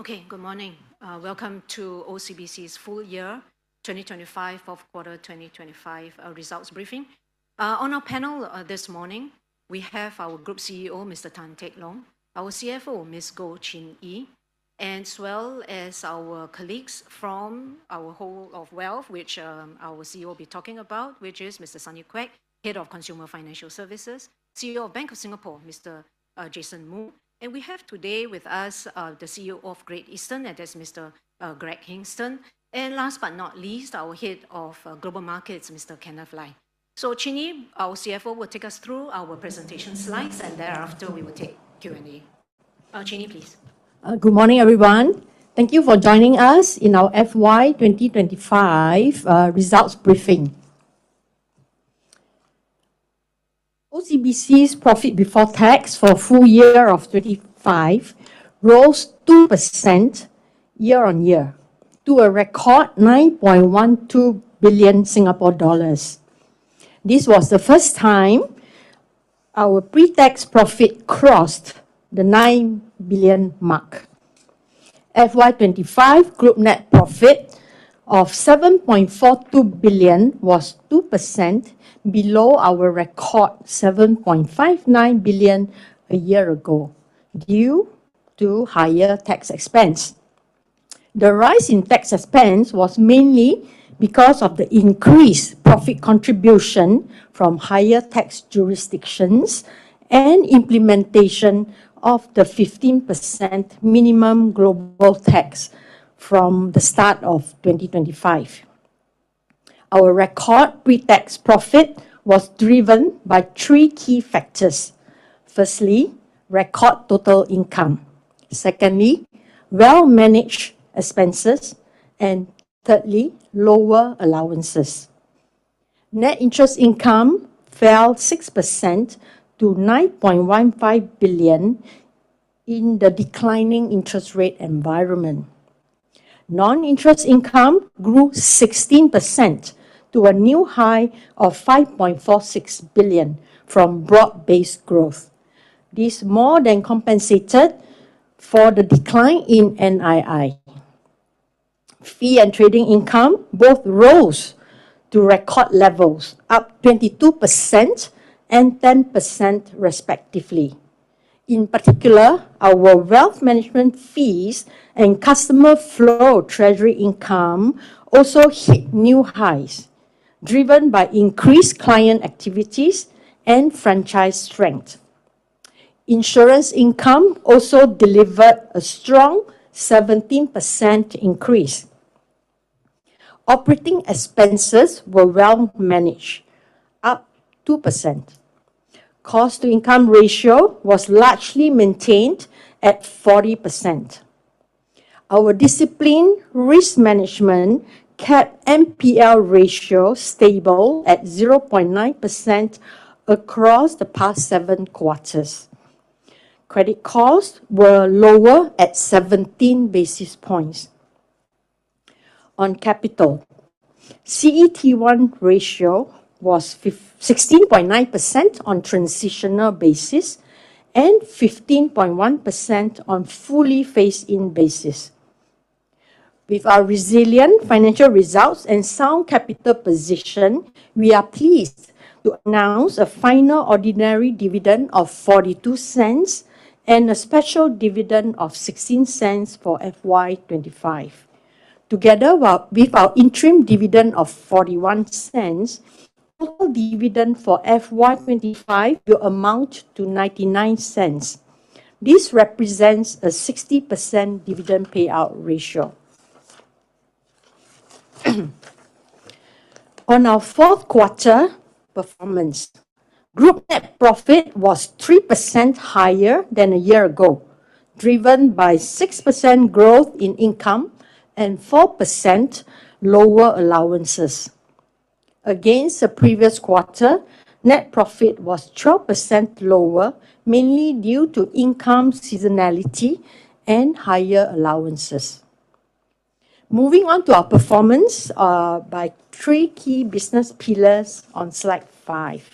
Okay, good morning. Welcome to OCBC's full year, 2025, fourth quarter 2025, results briefing. On our panel this morning, we have our Group CEO, Mr. Tan Teck Long, our CFO, Ms. Goh Chin Yee, and as well as our colleagues from our whole-of-wealth, which our CEO will be talking about, which is Mr. Sunny Quek, Head of Consumer Financial Services, CEO of Bank of Singapore, Mr. Jason Moo. We have today with us the CEO of Great Eastern, and that's Mr. Greg Hingston. Last but not least, our Head of Global Markets, Mr. Kenneth Lai. Chin Yee, our CFO, will take us through our presentation slides, and thereafter we will take Q&A. Chin Yee, please. Good morning, everyone. Thank you for joining us in our FY 2025 results briefing. OCBC's profit before tax for full year of 2025 rose 2% year-on-year to a record 9.12 billion Singapore dollars. This was the first time our pre-tax profit crossed the 9 billion mark. FY 2025 group net profit of 7.42 billion was 2% below our record 7.59 billion a year ago, due to higher tax expense. The rise in tax expense was mainly because of the increased profit contribution from higher tax jurisdictions and implementation of the 15% global minimum tax from the start of 2025. Our record pre-tax profit was driven by three key factors. Firstly, record total income. Secondly, well-managed expenses. Thirdly, lower allowances. Net interest income fell 6% to 9.15 billion in the declining interest rate environment. Non-interest income grew 16% to a new high of 5.46 billion from broad-based growth. This more than compensated for the decline in NII. Fee and trading income both rose to record levels, up 22% and 10 respectively. In particular, our wealth management fees and customer flow treasury income also hit new highs, driven by increased client activities and franchise strength. Insurance income also delivered a strong 17% increase. Operating expenses were well managed, up 2%. cost-to-income ratio was largely maintained at 40%. Our disciplined risk management kept NPL ratio stable at 0.9% across the past seven quarters. Credit costs were lower at 17 basis points. On capital, CET1 ratio was 16.9% on transitional basis and 15.1% on fully phased-in basis. With our resilient financial results and sound capital position, we are pleased to announce a final ordinary dividend of $0.42 and a special dividend of $0.16 for FY 2025. Together with our interim dividend of $0.41, total dividend for FY 2025 will amount to $0.99. This represents a 60% dividend payout ratio. On our fourth quarter performance, group net profit was 3% higher than a year ago, driven by 6% growth in income and 4% lower allowances. Against the previous quarter, net profit was 12% lower, mainly due to income seasonality and higher allowances. Moving on to our performance by three key business pillars on slide five.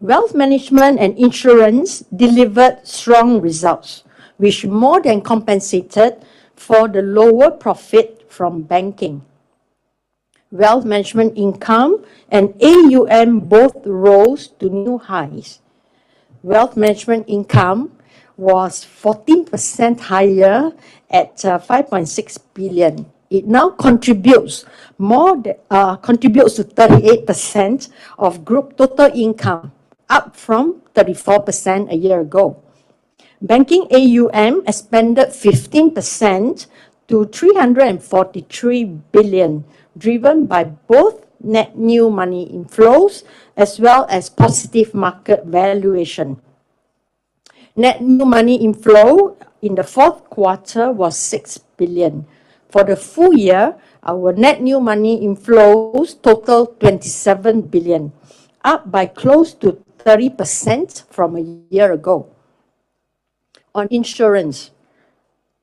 Wealth management and insurance delivered strong results, which more than compensated for the lower profit from banking. Wealth management income and AUM both rose to new highs. Wealth management income was 14% higher at 5.6 billion. It now contributes to 38% of group total income, up from 34% a year ago. Banking AUM expanded 15% to 343 billion, driven by both net new money inflows as well as positive market valuation. Net new money inflow in the fourth quarter was 6 billion. For the full year, our net new money inflows totaled 27 billion, up by close to 30% from a year ago. On insurance,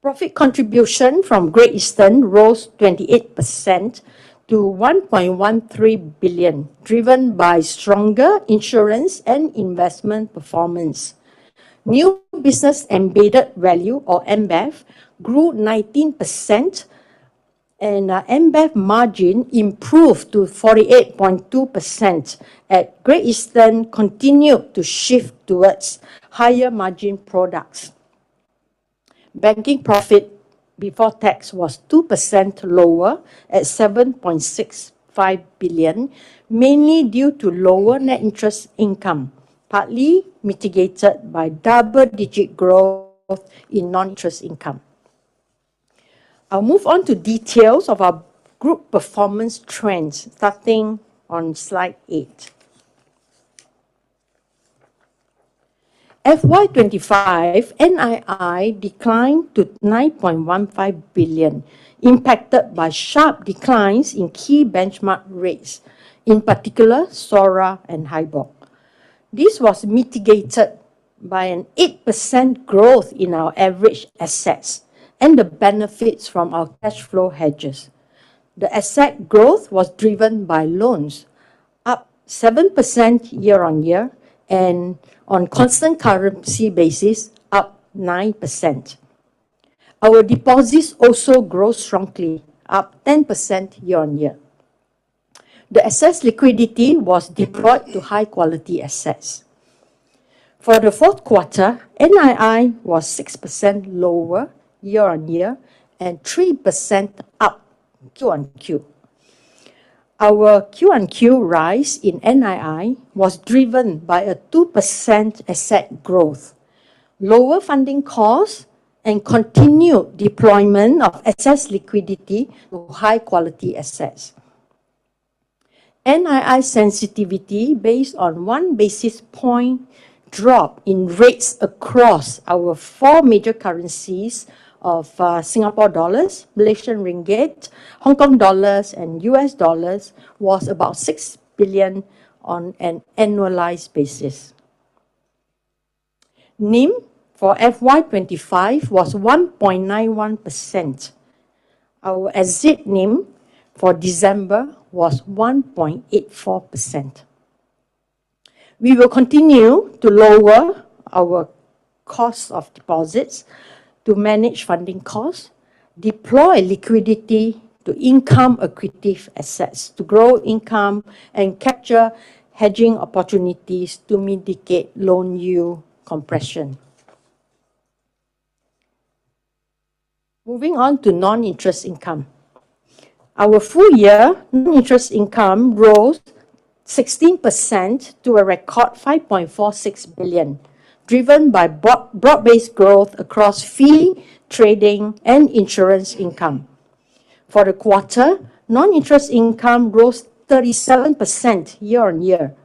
profit contribution from Great Eastern rose 28% to 1.13 billion, driven by stronger insurance and investment performance. New business embedded value, or MV, grew 19%- Our NBEV margin improved to 48.2% as Great Eastern continued to shift towards higher margin products. Banking profit before tax was 2% lower at 7.65 billion, mainly due to lower net interest income, partly mitigated by double-digit growth in non-interest income. I'll move on to details of our group performance trends, starting on slide eight. FY 2025, NII declined to 9.15 billion, impacted by sharp declines in key benchmark rates, in particular, SORA and HIBOR. This was mitigated by an 8% growth in our average assets and the benefits from our cash flow hedges. The asset growth was driven by loans, up 7% year-over-year and on constant currency basis, up 9%. Our deposits also grew strongly, up 10% year-over-year. The excess liquidity was deployed to high quality assets. For the fourth quarter, NII was 6% lower year-on-year and 3% up quarter-on-quarter. Our quarter-on-quarter rise in NII was driven by a 2% asset growth, lower funding costs, and continued deployment of excess liquidity to high quality assets. NII sensitivity based on one basis point drop in rates across our four major currencies of Singapore dollars, Malaysian ringgit, Hong Kong dollars, and U.S. dollars was about 6 billion on an annualized basis. NIM for FY 2025 was 1.91%. Our exit NIM for December was 1.84%. We will continue to lower our cost of deposits to manage funding costs, deploy liquidity to income accretive assets to grow income, and capture hedging opportunities to mitigate loan yield compression. Moving on to non-interest income. Our full year non-interest income rose 16% to a record 5.46 billion, driven by broad-based growth across fee, trading, and insurance income. For the quarter, non-interest income rose 37% year-on-year,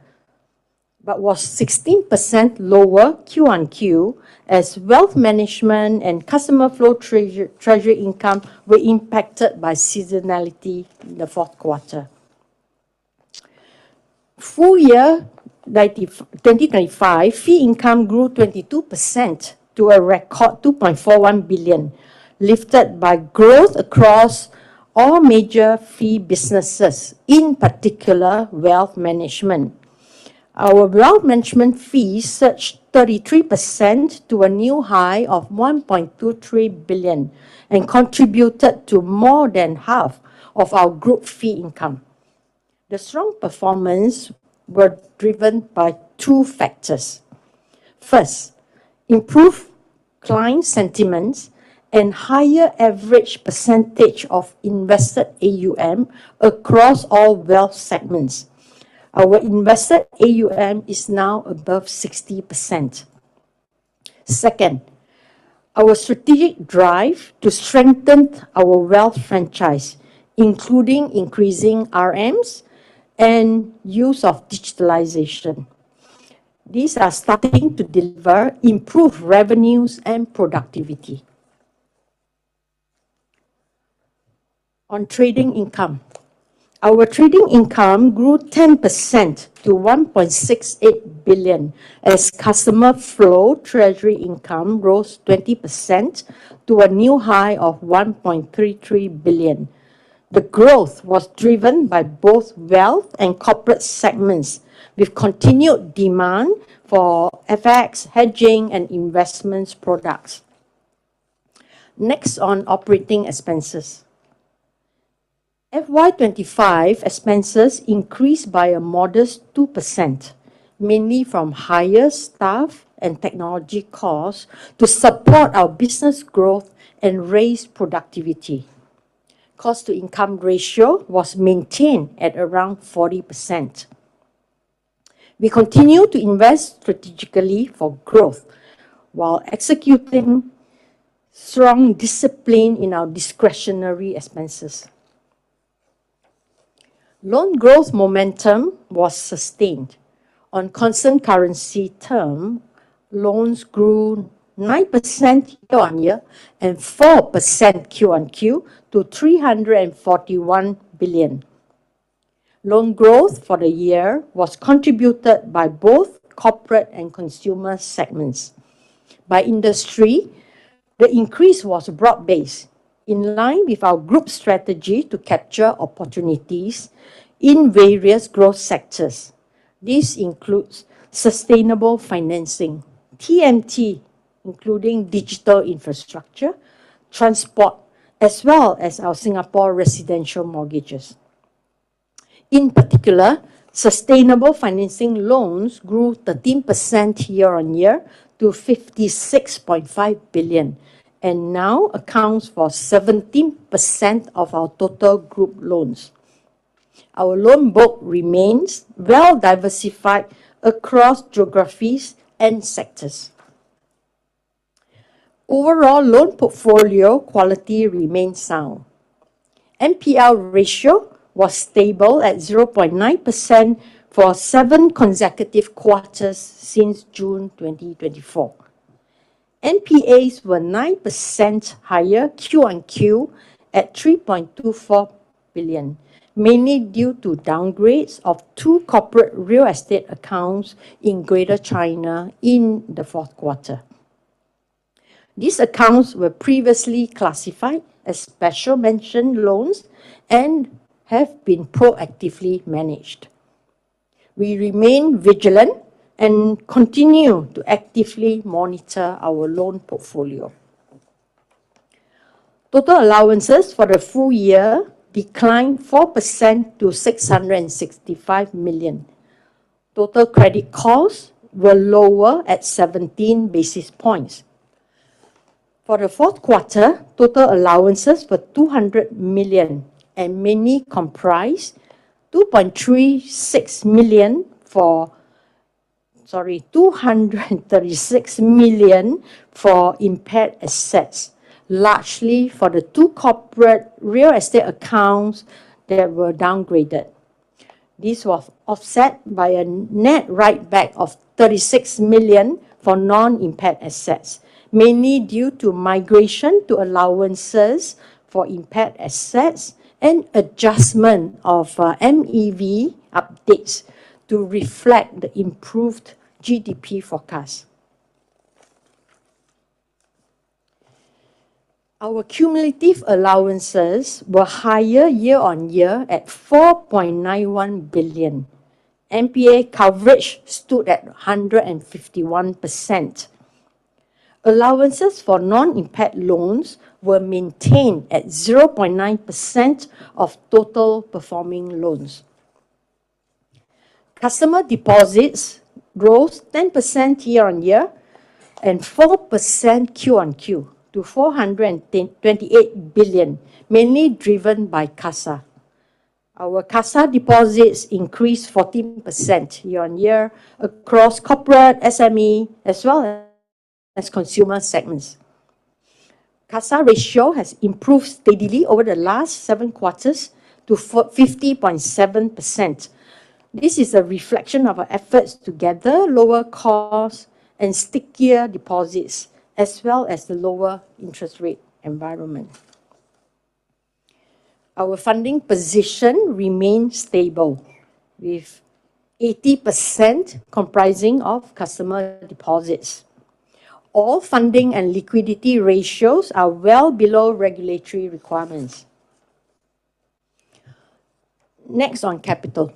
but was 16% lower quarter on quarter, as wealth management and customer flow treasury income were impacted by seasonality in the fourth quarter. Full year 2025, fee income grew 22% to a record 2.41 billion, lifted by growth across all major fee businesses, in particular, wealth management. Our wealth management fees surged 33% to a new high of 1.23 billion and contributed to more than half of our group fee income. The strong performance were driven by two factors. First, improved client sentiments and higher average percentage of invested AUM across all wealth segments. Our invested AUM is now above 60%. Our strategic drive to strengthen our wealth franchise, including increasing RMs and use of digitalization. These are starting to deliver improved revenues and productivity. On trading income. Our trading income grew 10% to SGD 1.68 billion, as customer flow treasury income rose 20% to a new high of 1.33 billion. The growth was driven by both wealth and corporate segments, with continued demand for FX hedging and investments products. On operating expenses. FY 2025 expenses increased by a modest 2%, mainly from higher staff and technology costs to support our business growth and raise productivity. Cost-to-income ratio was maintained at around 40%. We continue to invest strategically for growth while executing strong discipline in our discretionary expenses. Loan growth momentum was sustained. On constant currency term, loans grew 9% year-on-year and 4% quarter on quarter to 341 billion. Loan growth for the year was contributed by both corporate and consumer segments. By industry, the increase was broad-based, in line with our group strategy to capture opportunities in various growth sectors. This includes sustainable financing, TMT, including digital infrastructure, transport, as well as our Singapore residential mortgages. In particular, sustainable financing loans grew 13% year-on-year to 56.5 billion, and now accounts for 17% of our total group loans. Our loan book remains well diversified across geographies and sectors. Overall, loan portfolio quality remains sound. NPL ratio was stable at 0.9% for seven consecutive quarters since June 2024. NPAs were 9% higher quarter on quarter at 3.24 billion, mainly due to downgrades of two corporate real estate accounts in Greater China in the fourth quarter. These accounts were previously classified as special mentioned loans and have been proactively managed. We remain vigilant and continue to actively monitor our loan portfolio. Total allowances for the full year declined 4% to 665 million. Total credit costs were lower at 17 basis points. For the fourth quarter, total allowances were 200 million, and mainly comprised 236 million for impaired assets, largely for the two corporate real estate accounts that were downgraded. This was offset by a net write-back of 36 million for non-impaired assets, mainly due to migration to allowances for impaired assets and adjustment of MEV updates to reflect the improved GDP forecast. Our cumulative allowances were higher year-on-year at 4.91 billion. NPA coverage stood at 151%. Allowances for non-impaired loans were maintained at 0.9% of total performing loans. Customer deposits growth 10% year-on-year and 4% quarter-on-quarter to 428 billion, mainly driven by CASA. Our CASA deposits increased 14% year-on-year across corporate SME as well as consumer segments. CASA ratio has improved steadily over the last seven quarters to 50.7%. This is a reflection of our efforts to gather lower costs and stickier deposits, as well as the lower interest rate environment. Our funding position remains stable, with 80% comprising of customer deposits. All funding and liquidity ratios are well below regulatory requirements. On capital.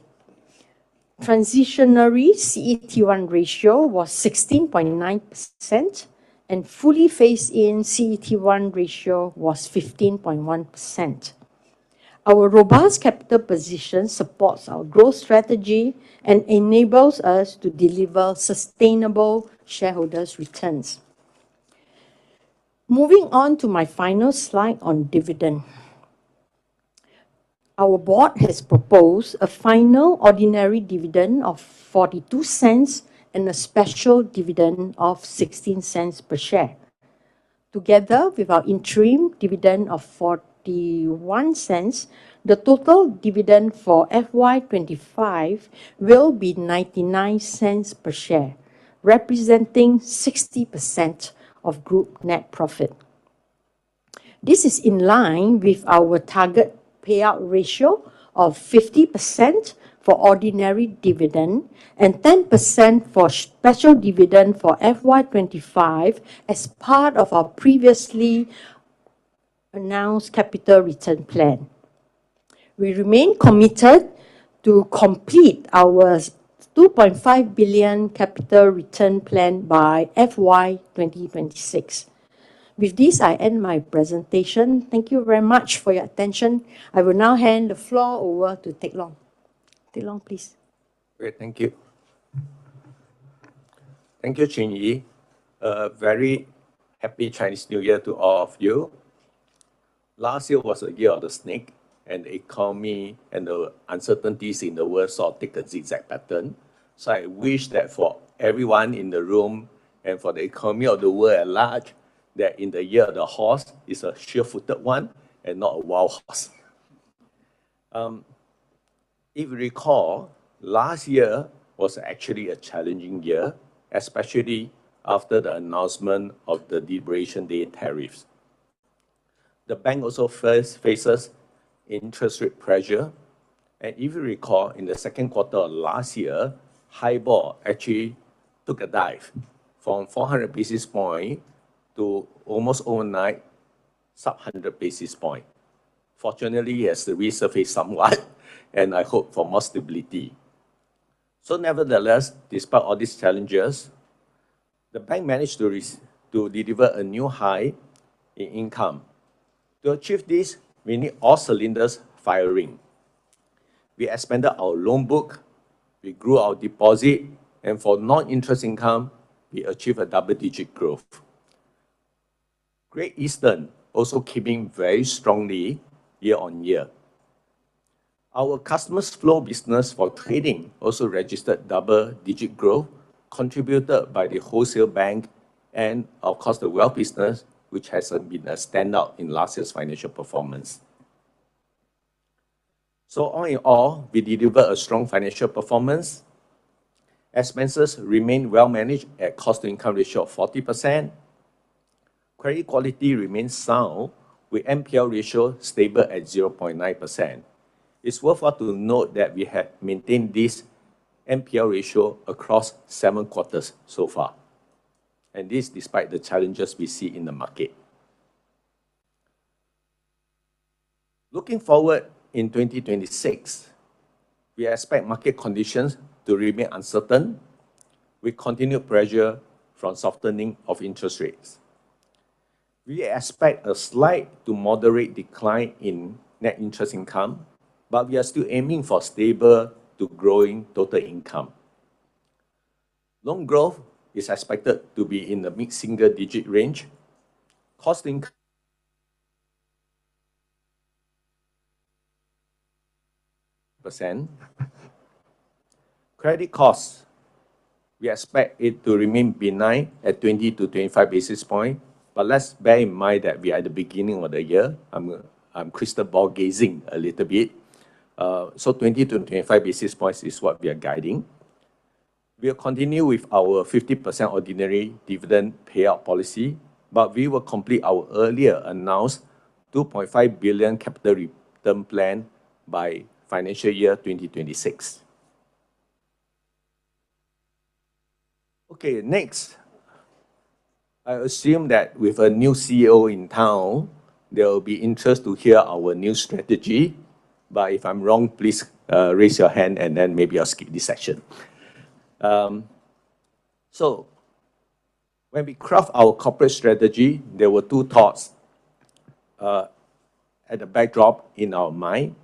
Transitionary CET1 ratio was 16.9%, and fully phased in CET1 ratio was 15.1%. Our robust capital position supports our growth strategy and enables us to deliver sustainable shareholders' returns. Moving on to my final slide on dividend. Our board has proposed a final ordinary dividend of 0.42 and a special dividend of 0.16 per share. With our interim dividend of 0.41, the total dividend for FY 2025 will be 0.99 per share, representing 60% of group net profit. This is in line with our target payout ratio of 50% for ordinary dividend and 10% for special dividend for FY 2025 as part of our previously announced capital return plan. We remain committed to complete our 2.5 billion capital return plan by FY 2026. With this, I end my presentation. Thank you very much for your attention. I will now hand the floor over to Teck Long. Teck Long, please. Great, thank you. Thank you, Chin Yee. A very happy Chinese New Year to all of you. Last year was the Year of the Snake, the economy and the uncertainties in the world sort of took a zigzag pattern. I wish that for everyone in the room and for the economy of the world at large, that in the Year of the Horse, it's a sure-footed one and not a wild horse. If you recall, last year was actually a challenging year, especially after the announcement of the Liberation Day tariffs. The bank also faces interest rate pressure, and if you recall, in the second quarter of last year, HIBOR actually took a dive from 400 basis points to almost overnight, sub 100 basis points. Fortunately, it has resurfaced somewhat, and I hope for more stability. Nevertheless, despite all these challenges, the bank managed to deliver a new high in income. To achieve this, we need all cylinders firing. We expanded our loan book, we grew our deposit, and for non-interest income, we achieved a double-digit growth. Great Eastern also keeping very strongly year-on-year. Our customers' flow business for trading also registered double-digit growth, contributed by the wholesale bank and, of course, the wealth business, which has been a standout in last year's financial performance. All in all, we delivered a strong financial performance. Expenses remain well managed at cost-to-income ratio of 40%. Credit quality remains sound, with NPL ratio stable at 0.9%. It's worthwhile to note that we have maintained this NPL ratio across seven quarters so far, and this despite the challenges we see in the market. Looking forward in 2026, we expect market conditions to remain uncertain, with continued pressure from softening of interest rates. We expect a slight to moderate decline in net interest income, but we are still aiming for stable to growing total income. Loan growth is expected to be in the mid-single digit range, cost %. Credit costs, we expect it to remain benign at 20-25 basis points, but let's bear in mind that we are at the beginning of the year. I'm crystal ball gazing a little bit. 20-25 basis points is what we are guiding. We'll continue with our 50% ordinary dividend payout policy, but we will complete our earlier announced 2.5 billion capital return plan by financial year 2026. Next, I assume that with a new CEO in town, there will be interest to hear our new strategy, but if I'm wrong, please raise your hand, maybe I'll skip this section. When we craft our corporate strategy, there were two thoughts at the backdrop in our mind.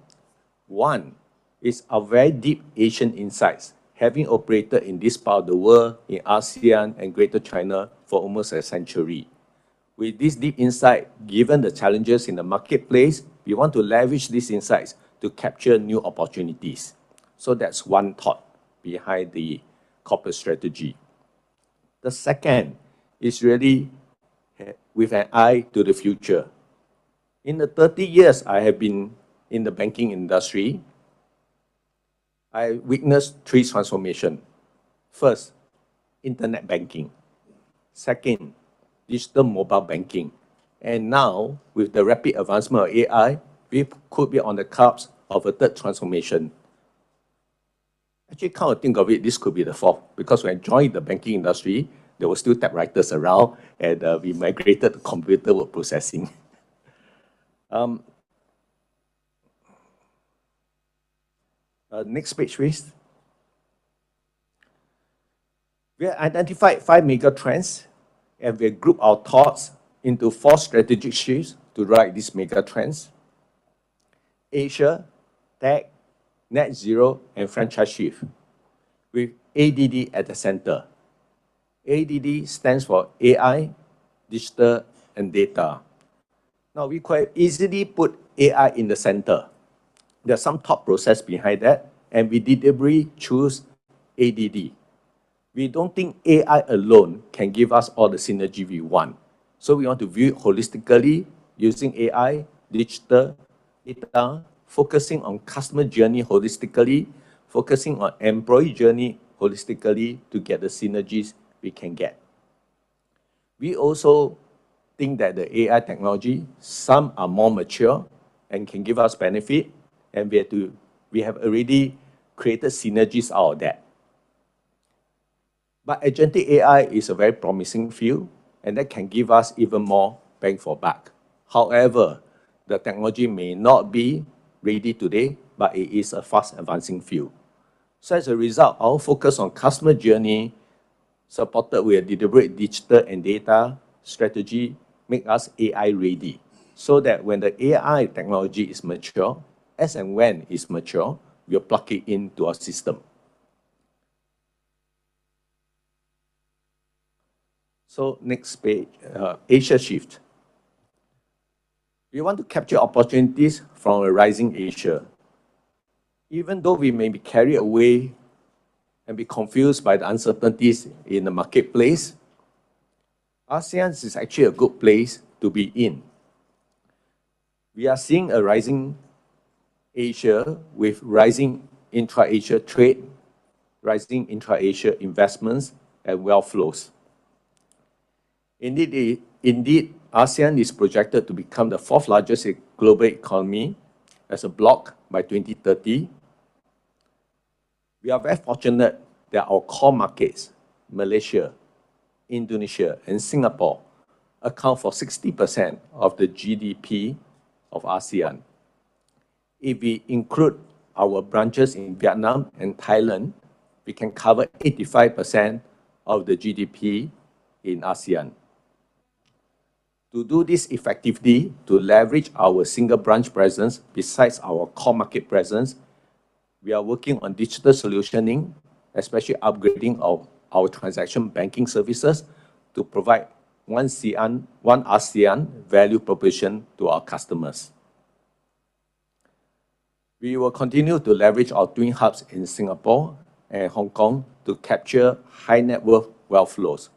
One is a very deep Asian insights, having operated in this part of the world, in ASEAN and Greater China, for almost a century. With this deep insight, given the challenges in the marketplace, we want to leverage these insights to capture new opportunities. That's one thought behind the corporate strategy. The second is really with an eye to the future. In the 30 years I have been in the banking industry, I witnessed three transformation. First, internet banking. Second, digital mobile banking. Now, with the rapid advancement of AI, we could be on the cusp of a third transformation. Actually, come to think of it, this could be the fourth, because when I joined the banking industry, there were still typewriters around, and we migrated to computer word processing. next page, please. We have identified five mega trends, and we group our thoughts into four strategic shifts to drive these mega trends: Asia, Tech, NetZero, and Franchise Shift, with ADD at the center. ADD stands for AI, Digital, and Data. Now, we could easily put AI in the center. There are some thought process behind that, and we deliberately choose ADD. We don't think AI alone can give us all the synergy we want. We want to view it holistically using AI, digital, data, focusing on customer journey holistically, focusing on employee journey holistically to get the synergies we can get. We also think that the AI technology, some are more mature and can give us benefit, and we have already created synergies out of that. Agentic AI is a very promising field, and that can give us even more bang for buck. However, the technology may not be ready today, but it is a fast-advancing field. As a result, our focus on customer journey, supported with a deliberate digital and data strategy, make us AI ready, so that when the AI technology is mature, as and when it's mature, we are plugging into our system. Next page, Asia Shift. We want to capture opportunities from a rising Asia. Even though we may be carried away and be confused by the uncertainties in the marketplace, ASEAN is actually a good place to be in. We are seeing a rising Asia with rising intra-Asia trade, rising intra-Asia investments and wealth flows. Indeed, ASEAN is projected to become the fourth largest global economy as a bloc by 2030. We are very fortunate that our core markets, Malaysia, Indonesia, and Singapore, account for 60% of the GDP of ASEAN. If we include our branches in Vietnam and Thailand, we can cover 85% of the GDP in ASEAN. To do this effectively, to leverage our single branch presence besides our core market presence, we are working on digital solutioning, especially upgrading our transaction banking services, to provide one ASEAN value proposition to our customers. We will continue to leverage our twin hubs in Singapore and Hong Kong to capture high net worth wealth flows.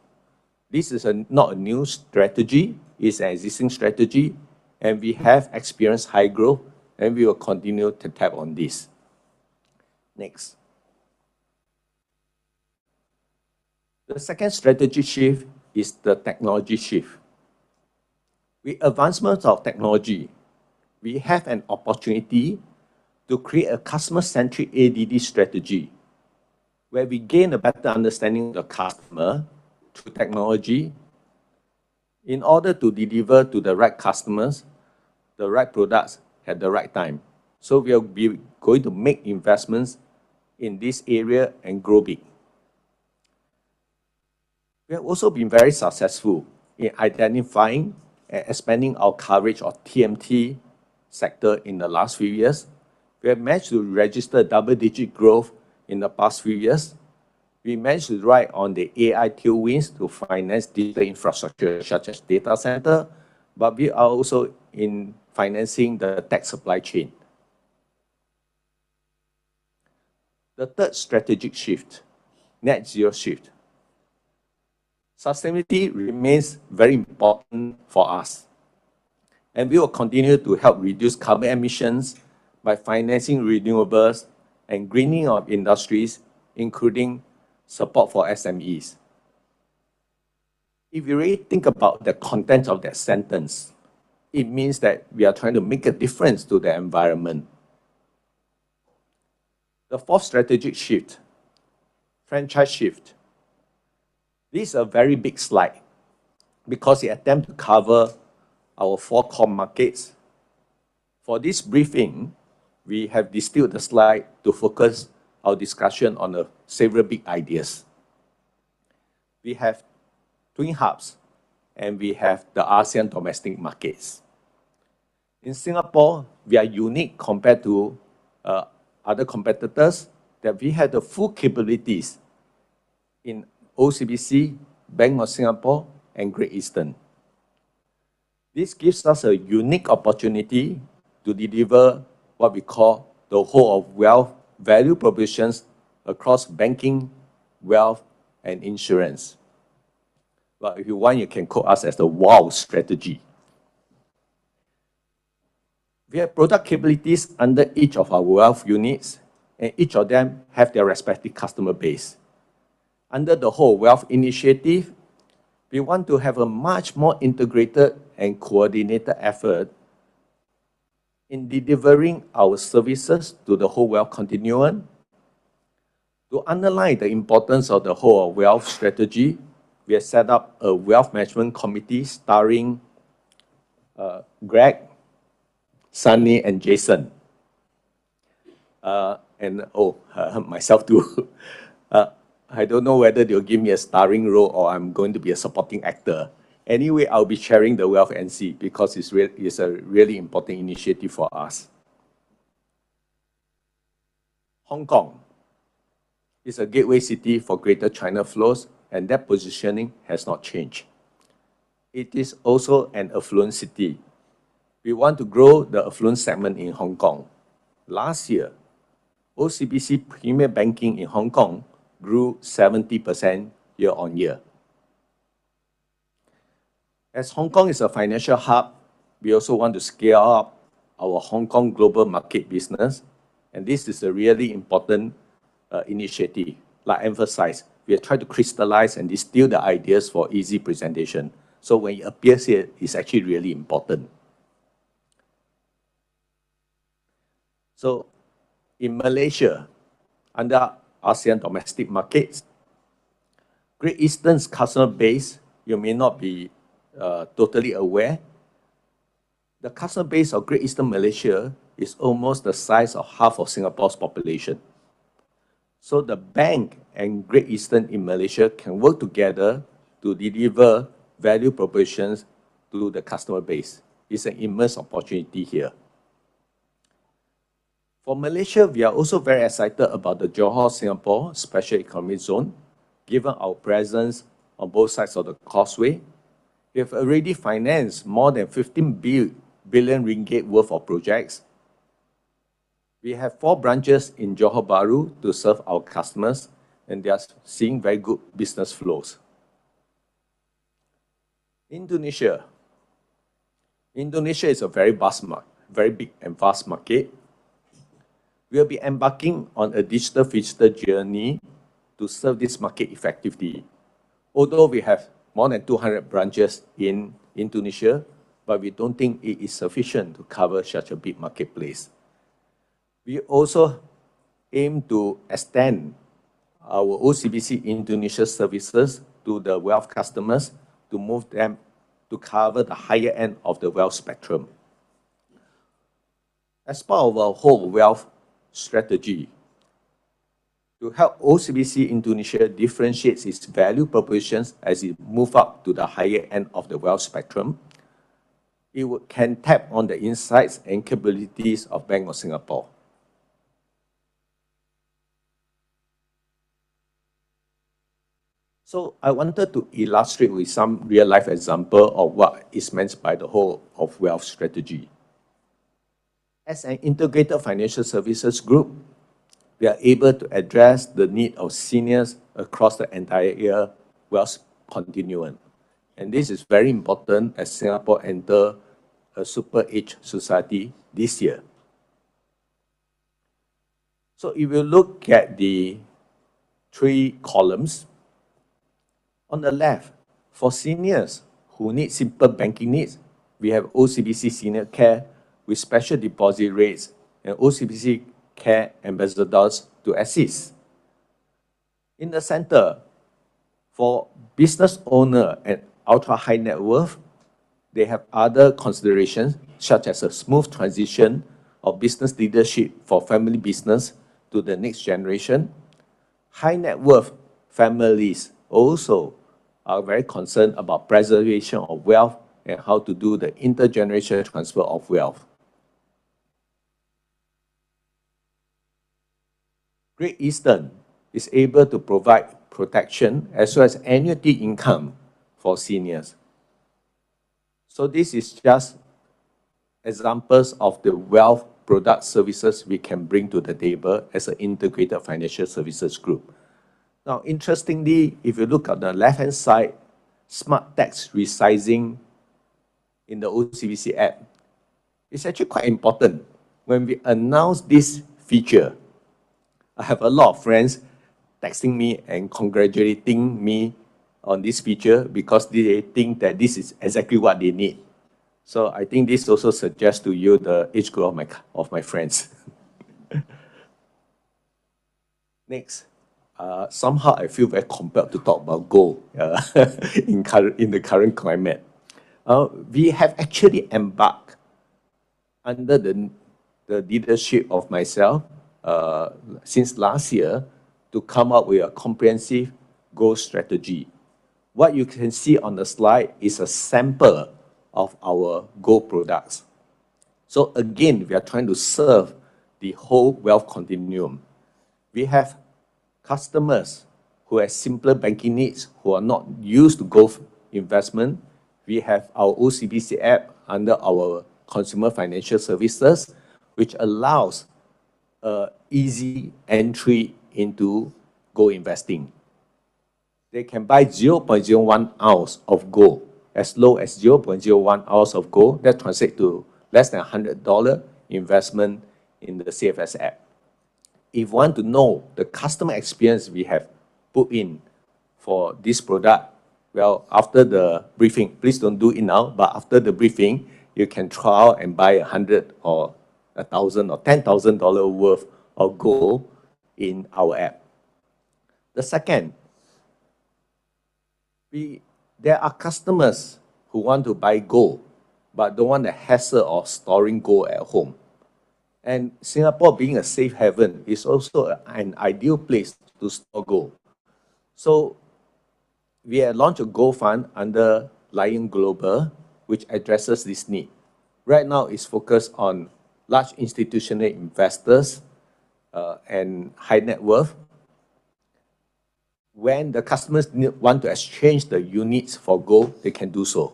This is not a new strategy, it's an existing strategy. We have experienced high growth. We will continue to tap on this. Next. The second strategy shift is the technology shift. With advancement of technology, we have an opportunity to create a customer-centric ADD strategy, where we gain a better understanding of customer through technology in order to deliver to the right customers, the right products at the right time. We are going to make investments in this area and grow big. We have also been very successful in identifying and expanding our coverage of TMT sector in the last few years. We have managed to register double-digit growth in the past few years. We managed to ride on the AI tailwinds to finance digital infrastructure, such as data center, but we are also in financing the tech supply chain. The third strategic shift, Net Zero shift. Sustainability remains very important for us, and we will continue to help reduce carbon emissions by financing renewables and greening our industries, including support for SMEs. If you really think about the content of that sentence, it means that we are trying to make a difference to the environment. The fourth strategic shift, Franchise Shift. This is a very big slide because it attempt to cover our four core markets. For this briefing, we have distilled the slide to focus our discussion on the several big ideas. We have twin hubs, and we have the ASEAN domestic markets. In Singapore, we are unique compared to other competitors, that we have the full capabilities in OCBC, Bank of Singapore, and Great Eastern. This gives us a unique opportunity to deliver what we call the whole-of-wealth value propositions across banking, wealth, and insurance. If you want, you can quote us as the WOW strategy. We have product capabilities under each of our wealth units, and each of them have their respective customer base. Under the whole-of-wealth initiative, we want to have a much more integrated and coordinated effort in delivering our services to the whole-of-wealth continuum. To underline the importance of the whole-of-wealth strategy, we have set up a wealth management committee starring Greg, Sunny, and Jason, and myself, too. I don't know whether they'll give me a starring role or I'm going to be a supporting actor. I'll be chairing the Wealth MC because it's a really important initiative for us. Hong Kong is a gateway city for Greater China flows, that positioning has not changed. It is also an affluent city. We want to grow the affluent segment in Hong Kong. Last year, OCBC Premier Banking in Hong Kong grew 70% year-on-year. Hong Kong is a financial hub, we also want to scale up our Hong Kong global market business, this is a really important initiative. Like I emphasize, we are trying to crystallize and distill the ideas for easy presentation, when it appears here, it's actually really important. In Malaysia, under ASEAN domestic markets, Great Eastern's customer base, you may not be totally aware, the customer base of Great Eastern Malaysia is almost the size of half of Singapore's population. The bank and Great Eastern in Malaysia can work together to deliver value propositions to the customer base. It's an immense opportunity here. For Malaysia, we are also very excited about the Johor-Singapore Special Economic Zone, given our presence on both sides of the causeway. We have already financed more than 15 billion ringgit worth of projects. We have four branches in Johor Bahru to serve our customers. They are seeing very good business flows. Indonesia. Indonesia is a very big and vast market. We'll be embarking on a digital visitor journey to serve this market effectively. Although we have more than 200 branches in Indonesia, we don't think it is sufficient to cover such a big marketplace. We also aim to extend our OCBC Indonesia services to the wealth customers to move them to cover the higher end of the wealth spectrum. As part of our whole wealth strategy, to help OCBC Indonesia differentiate its value propositions as it move up to the higher end of the wealth spectrum, it can tap on the insights and capabilities of Bank of Singapore. I wanted to illustrate with some real-life example of what is meant by the whole of wealth strategy. As an integrated financial services group, we are able to address the need of seniors across the entire year wealth continuum, and this is very important as Singapore enter a super aged society this year. If you look at the 3 columns, on the left, for seniors who need simple banking needs, we have OCBC Senior Care with special deposit rates and OCBC CARE Ambassadors to assist. In the center, for business owner and ultra high net worth, they have other considerations, such as a smooth transition of business leadership for family business to the next generation. High net worth families also are very concerned about preservation of wealth and how to do the intergenerational transfer of wealth. Great Eastern is able to provide protection as well as annuity income for seniors. This is just examples of the wealth product services we can bring to the table as an integrated financial services group. Interestingly, if you look at the left-hand side, smart tax resizing in the OCBC app, it's actually quite important. When we announced this feature, I have a lot of friends texting me and congratulating me on this feature because they think that this is exactly what they need. I think this also suggests to you the age group of my friends. Next, somehow I feel very compelled to talk about gold in current, in the current climate. We have actually embarked under the leadership of myself since last year to come up with a comprehensive gold strategy. What you can see on the slide is a sample of our gold products. Again, we are trying to serve the whole wealth continuum. We have customers who have simpler banking needs, who are not used to gold investment. We have our OCBC app under our Consumer Financial Services, which allows a easy entry into gold investing. They can buy 0.01 ounce of gold, as low as 0.01 ounce of gold. Translate to less than 100 dollar investment in the CFS App. If you want to know the customer experience we have put in for this product, well, after the briefing, please don't do it now, but after the briefing, you can try out and buy 100 or 1,000 or 10,000 dollar worth of gold in our App. There are customers who want to buy gold, but don't want the hassle of storing gold at home. Singapore, being a safe haven, is also an ideal place to store gold. We have launched a gold fund under Lion Global, which addresses this need. Right now, it's focused on large institutional investors and high net worth. When the customers want to exchange the units for gold, they can do so.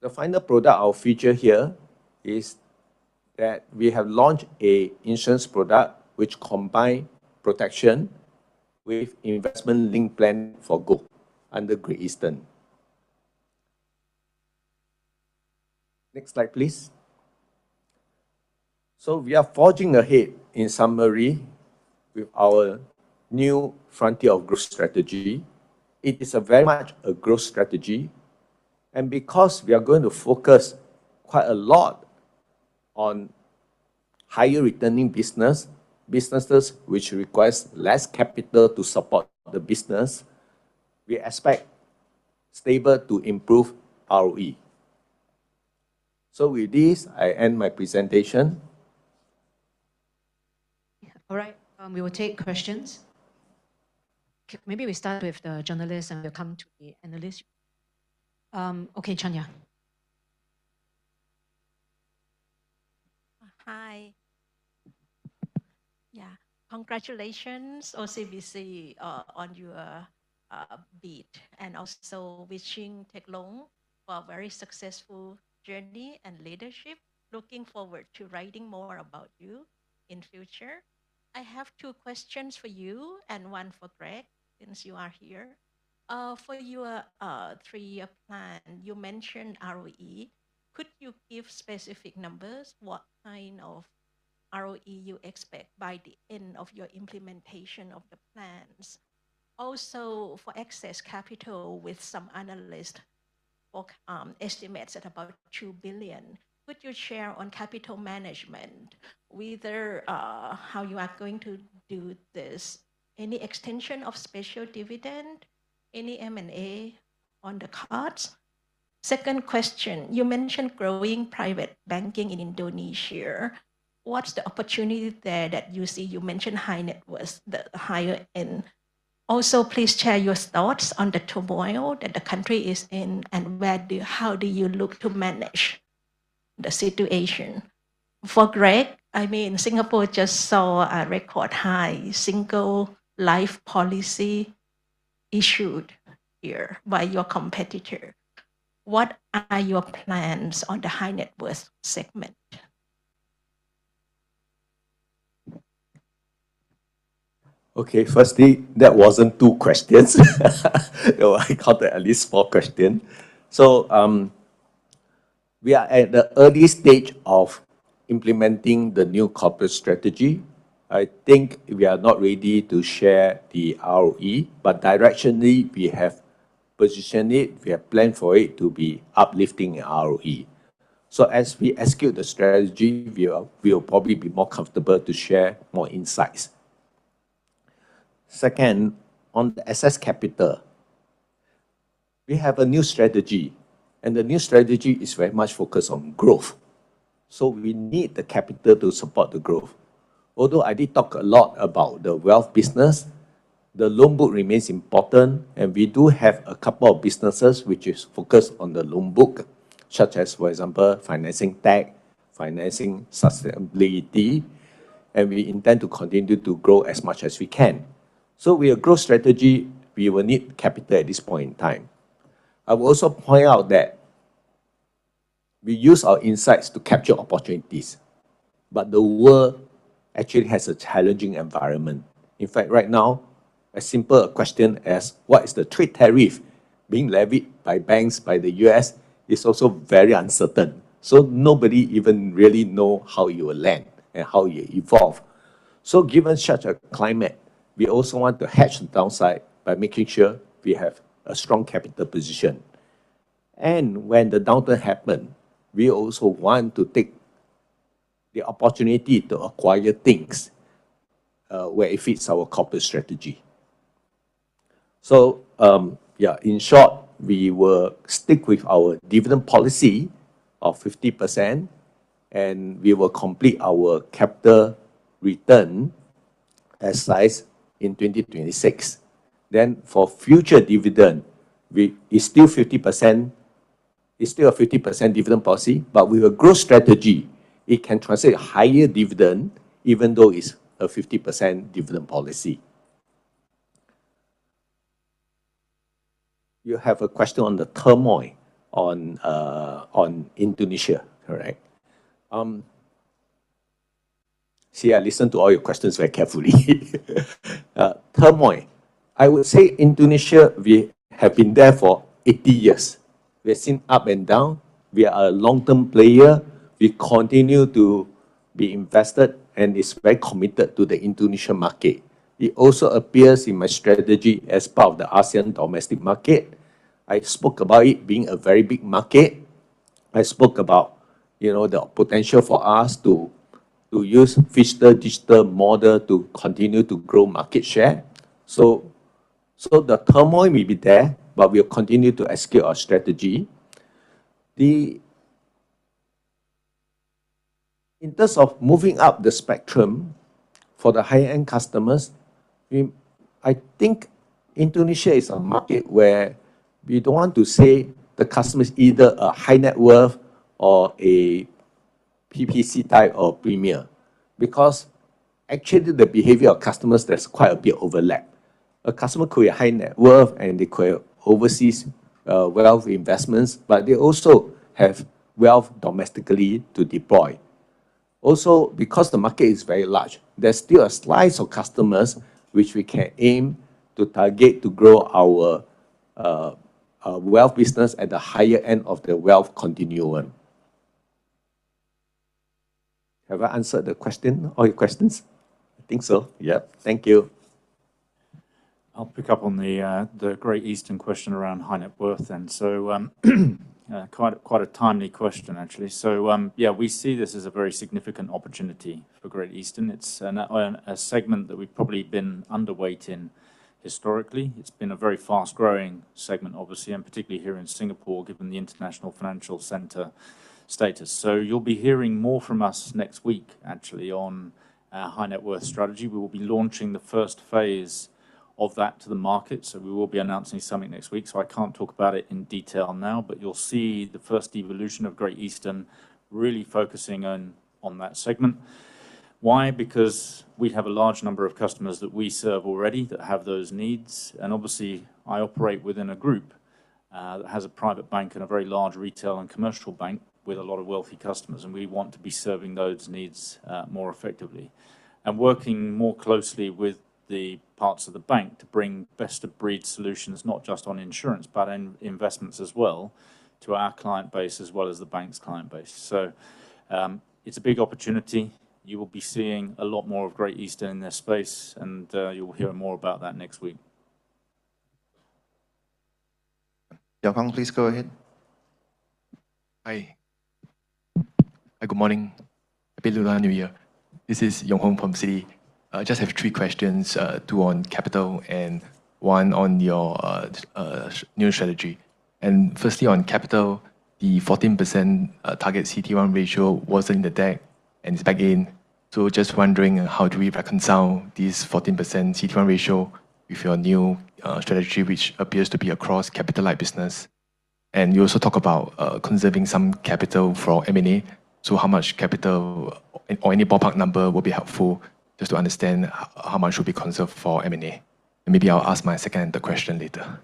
The final product I'll feature here is that we have launched an insurance product which combine protection with investment link plan for gold under Great Eastern. Next slide, please. We are forging ahead, in summary, with our new frontier of growth strategy. It is a very much a growth strategy, and because we are going to focus quite a lot on higher returning business, businesses which requires less capital to support the business, we expect stable to improve ROE. With this, I end my presentation. All right, we will take questions. Maybe we start with the Journalists, and we'll come to the Analysts. Chanya. Hi. Congratulations, OCBC, on your beat, and also wishing Teck Long for a very successful journey and leadership. Looking forward to writing more about you in future. I have two questions for you and one for Greg, since you are here. For your 3-year plan, you mentioned ROE. Could you give specific numbers? What kind of ROE you expect by the end of your implementation of the plans? Also, for excess capital with some Analyst or estimates at about 2 billion, what's your share on capital management, whether how you are going to do this? Any extension of special dividend? Any M&A on the cards? Second question: you mentioned growing private banking in Indonesia. What's the opportunity there that you see? You mentioned high net worth, the higher end. Also, please share your thoughts on the turmoil that the country is in, and how do you look to manage the situation? For Greg, I mean, Singapore just saw a record high single life policy issued here by your competitor. What are your plans on the high net worth segment? Okay, firstly, that wasn't two questions. I count at least four question. We are at the early stage of implementing the new corporate strategy. I think we are not ready to share the ROE, but directionally, we have positioned it, we have planned for it to be uplifting the ROE. As we execute the strategy, we will probably be more comfortable to share more insights. Second, on the excess capital, we have a new strategy, and the new strategy is very much focused on growth, so we need the capital to support the growth. Although I did talk a lot about the wealth business, the loan book remains important, and we do have a couple of businesses which is focused on the loan book, such as, for example, financing tech, financing sustainability, and we intend to continue to grow as much as we can. With our growth strategy, we will need capital at this point in time. I will also point out that we use our insights to capture opportunities, but the world actually has a challenging environment. In fact, right now, a simple question as, what is the trade tariff being levied by banks, by the U.S., is also very uncertain. Nobody even really know how you will land and how you evolve. Given such a climate, we also want to hedge the downside by making sure we have a strong capital position. When the downturn happen, we also want to take the opportunity to acquire things, where it fits our corporate strategy. Yeah, in short, we will stick with our dividend policy of 50%, and we will complete our capital return as sized in 2026. For future dividend, it's still a 50% dividend policy, but with a growth strategy, it can translate higher dividend even though it's a 50% dividend policy. You have a question on the turmoil on Indonesia, correct? See, I listened to all your questions very carefully. Turmoil. I would say Indonesia, we have been there for 80 years. We have seen up and down. We are a long-term player. We continue to be invested and is very committed to the Indonesian market. It also appears in my strategy as part of the ASEAN domestic market. I spoke about it being a very big market. I spoke about, you know, the potential for us to use physical-digital model to continue to grow market share. The turmoil may be there, but we will continue to execute our strategy. In terms of moving up the spectrum for the high-end customers, I think Indonesia is a market where we don't want to say the customer is either a high net worth or a PPC type or Premier, because actually, the behavior of customers, there's quite a bit overlap. A customer could be a high net worth, and they could have overseas wealth investments, but they also have wealth domestically to deploy. Because the market is very large, there's still a slice of customers which we can aim to target to grow our wealth business at the higher end of the wealth continuum. Have I answered the question, all your questions? I think so. Yeah. Thank you. I'll pick up on the Great Eastern question around high net worth. Quite a timely question, actually. Yeah, we see this as a very significant opportunity for Great Eastern. It's a segment that we've probably been underweight in historically. It's been a very fast-growing segment, obviously, and particularly here in Singapore, given the international financial center status. You'll be hearing more from us next week, actually, on our high net worth strategy. We will be launching the first phase of that to the market, so we will be announcing something next week, so I can't talk about it in detail now. You'll see the first evolution of Great Eastern really focusing on that segment. Why? Because we have a large number of customers that we serve already that have those needs, and obviously, I operate within a group that has a private bank and a very large retail and commercial bank with a lot of wealthy customers, and we want to be serving those needs more effectively. Working more closely with the parts of the bank to bring best-of-breed solutions, not just on insurance, but in investments as well, to our client base, as well as the bank's client base. It's a big opportunity. You will be seeing a lot more of Great Eastern in this space, and you will hear more about that next week. Yong Hong, please go ahead. Hi. Hi, good morning. Happy Lunar New Year. This is Yong Hong from Citi. I just have three questions, two on capital and one on your new strategy. Firstly, on capital, the 14% target CET1 ratio wasn't in the deck, and it's back in. Just wondering, how do we reconcile this 14% CET1 ratio with your new strategy, which appears to be across capital light business? You also talk about conserving some capital for M&A. How much capital or any ballpark number will be helpful just to understand how much will be conserved for M&A? Maybe I'll ask my second question later.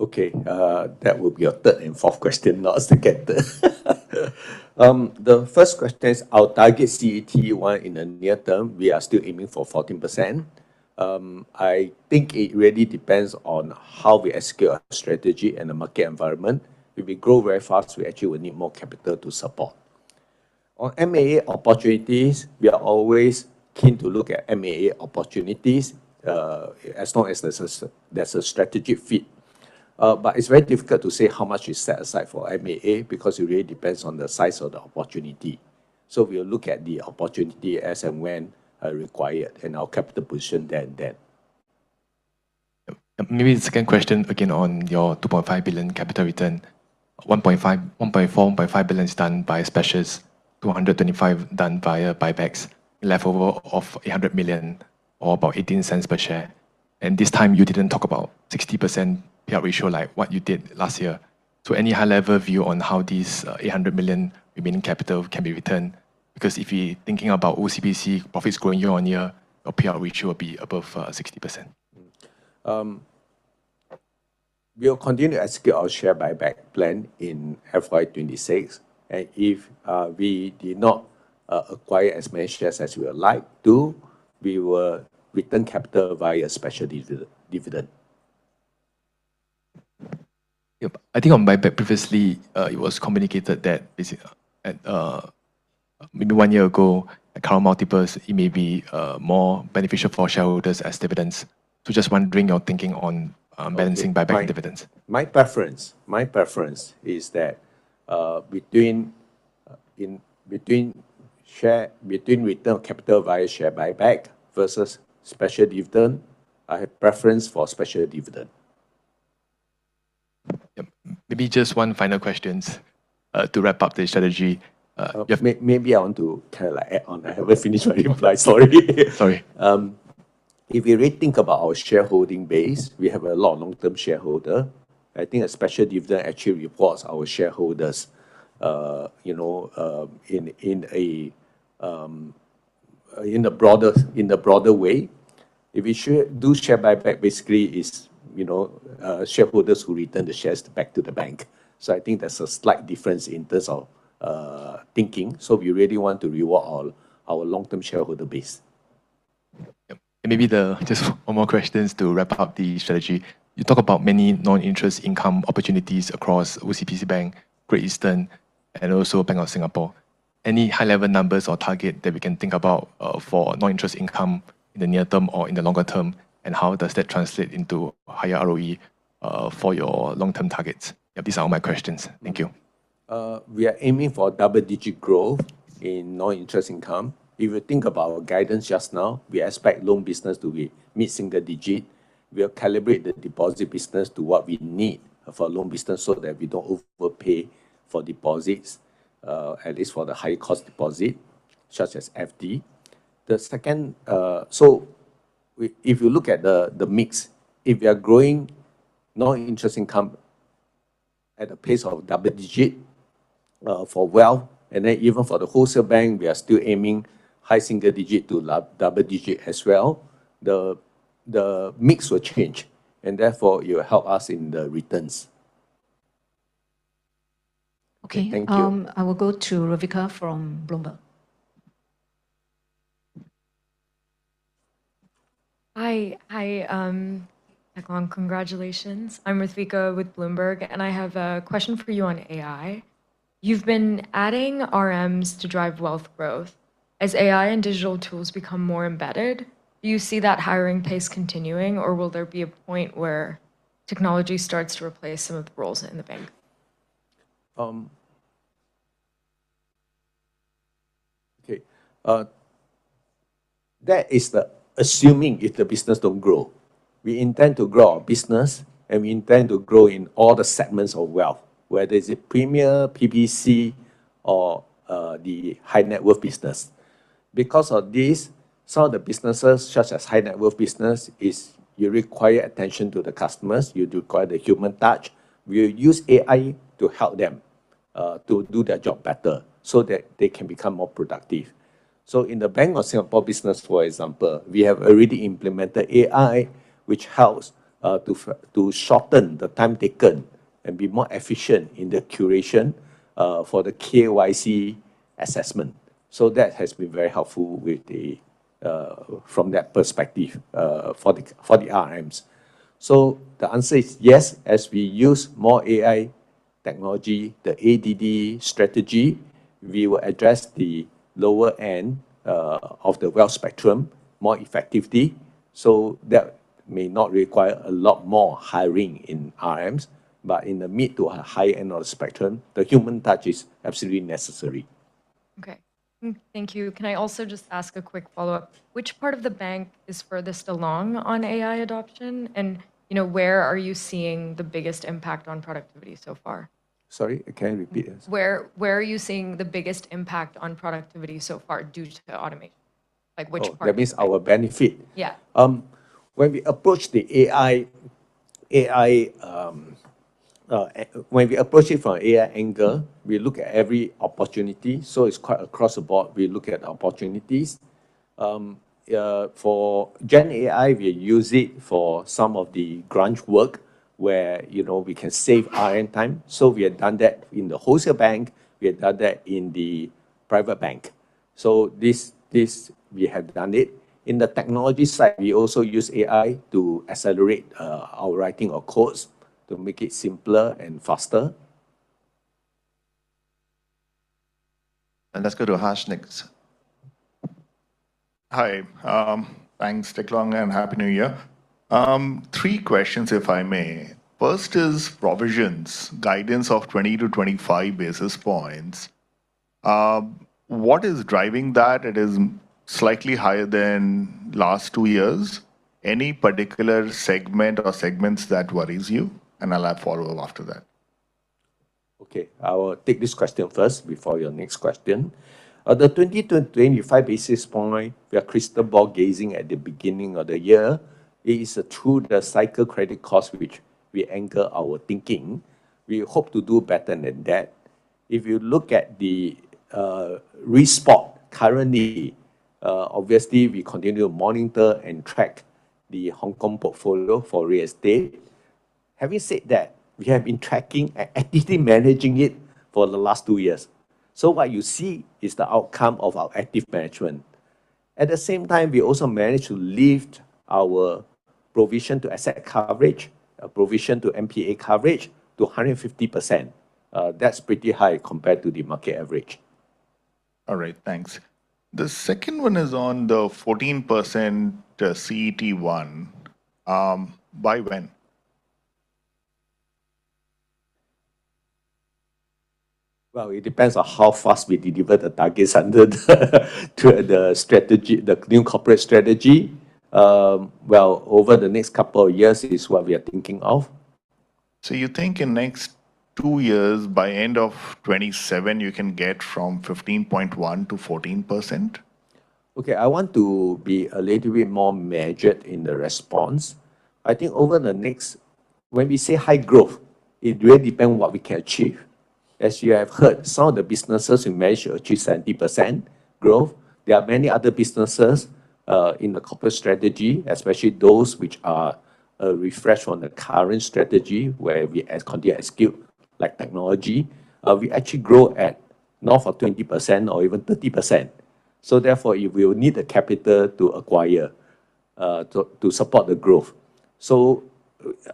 Okay, that will be your third and fourth question, not second. The first question is our target CET1 in the near term, we are still aiming for 14%. I think it really depends on how we execute our strategy and the market environment. If we grow very fast, we actually will need more capital to support. On M&A opportunities, we are always keen to look at M&A opportunities, as long as there's a strategic fit. But it's very difficult to say how much we set aside for M&A because it really depends on the size of the opportunity. We'll look at the opportunity as and when required, and our capital position then. Yep. Maybe the second question, again, on your 2.5 billion capital return. 1.4 billion-1.5 billion is done by specials, 225 million done via buybacks, leftover of 800 million or about 0.18 per share. This time you didn't talk about 60% payout ratio like what you did last year. Any high-level view on how this 800 million remaining capital can be returned? Because if we're thinking about OCBC profits growing year-on-year, your payout ratio will be above 60%. We'll continue to execute our share buyback plan in FY 2026. If we did not acquire as many shares as we would like to, we will return capital via special dividend. Yep. I think on buyback previously, it was communicated that basically, at maybe one year ago, the current multiples, it may be more beneficial for shareholders as dividends. Just wondering your thinking on balancing buyback and dividends. My preference is that, between return capital via share buyback versus special dividend, I have preference for special dividend. Yep. Maybe just one final question, to wrap up the strategy. maybe I want to kind of like add on. I haven't finished my reply. Sorry. Sorry. If you really think about our shareholding base, we have a lot of long-term shareholder. I think a special dividend actually rewards our shareholders, you know, in a broader, in a broader way. If we do share buyback, basically it's, you know, shareholders who return the shares back to the bank. I think there's a slight difference in terms of thinking. We really want to reward all our long-term shareholder base. Yep. Maybe just one more questions to wrap up the strategy. You talk about many non-interest income opportunities across OCBC Bank, Great Eastern, and also Bank of Singapore. Any high-level numbers or target that we can think about for non-interest income in the near term or in the longer term, and how does that translate into higher ROE for your long-term targets? Yep, these are all my questions. Thank you. We are aiming for double-digit growth in non-interest income. If you think about our guidance just now, we expect loan business to be mid-single digit. We have calibrated the deposit business to what we need for loan business so that we don't overpay for deposits, at least for the high-cost deposit, such as FD. The second. If you look at the mix, if we are growing non-interest income at a pace of double digit for wealth, and then even for the wholesale bank, we are still aiming high single digit to double digit as well. The mix will change, and therefore, it will help us in the returns. Okay. Thank you. I will go to Ravilka from Bloomberg. Hi. Hi, Teck Long. Congratulations. I'm Ravilka with Bloomberg. I have a question for you on AI. You've been adding RMs to drive wealth growth. As AI and digital tools become more embedded, do you see that hiring pace continuing, or will there be a point where technology starts to replace some of the roles in the bank? Okay. That is the assuming if the business don't grow. We intend to grow our business, and we intend to grow in all the segments of wealth, whether it's Premier, PBC or the high-net-worth business. Because of this, some of the businesses, such as high-net-worth business, is you require attention to the customers. You require the human touch. We'll use AI to help them to do their job better so that they can become more productive. In the Bank of Singapore business, for example, we have already implemented AI, which helps to shorten the time taken and be more efficient in the curation for the KYC assessment. That has been very helpful with the from that perspective for the RMs. The answer is yes, as we use more AI. Technology, the ADD strategy, we will address the lower end of the wealth spectrum more effectively. That may not require a lot more hiring in RMs, but in the mid to a high end of the spectrum, the human touch is absolutely necessary. Okay. Thank you. Can I also just ask a quick follow-up? Which part of the bank is furthest along on AI adoption? You know, where are you seeing the biggest impact on productivity so far? Sorry, can you repeat please? Where are you seeing the biggest impact on productivity so far due to the automation? Like which. Oh, that means our benefit? Yeah. When we approach the AI, when we approach it from an AI angle, we look at every opportunity. It's quite across the board, we look at opportunities. For Gen AI, we use it for some of the grunt work where, you know, we can save RM time. We have done that in the Wholesale Bank, we have done that in the Private Bank. This, we have done it. In the technology side, we also use AI to accelerate our writing of codes to make it simpler and faster. Let's go to Harsh next. Hi. Thanks, Teck Long, Happy New Year. 3 questions, if I may. First is provisions, guidance of 20-25 basis points. What is driving that? It is slightly higher than last 2 years. Any particular segment or segments that worries you? I'll have follow-up after that. I will take this question first before your next question. The 20-25 basis point, we are crystal ball gazing at the beginning of the year, is through the cycle credit cost, which we anchor our thinking. We hope to do better than that. If you look at the risk spot currently, obviously, we continue to monitor and track the Hong Kong portfolio for real estate. We have been tracking and actively managing it for the last 2 years. What you see is the outcome of our active management. At the same time, we also managed to lift our provision to asset coverage, provision to NPA coverage to 150%. That's pretty high compared to the market average. All right, thanks. The second one is on the 14%, the CET1. By when? Well, it depends on how fast we deliver the targets under the new corporate strategy. Well, over the next couple of years is what we are thinking of. You think in next two years, by end of 2027, you can get from 15.1%-14%? Okay, I want to be a little bit more measured in the response. I think over the next... When we say high growth, it really depend on what we can achieve. As you have heard, some of the businesses we measure achieve 70% growth. There are many other businesses in the corporate strategy, especially those which are a refresh on the current strategy, where we acquire a skill like technology, we actually grow at north of 20% or even 30%. Therefore, we will need the capital to acquire, to support the growth.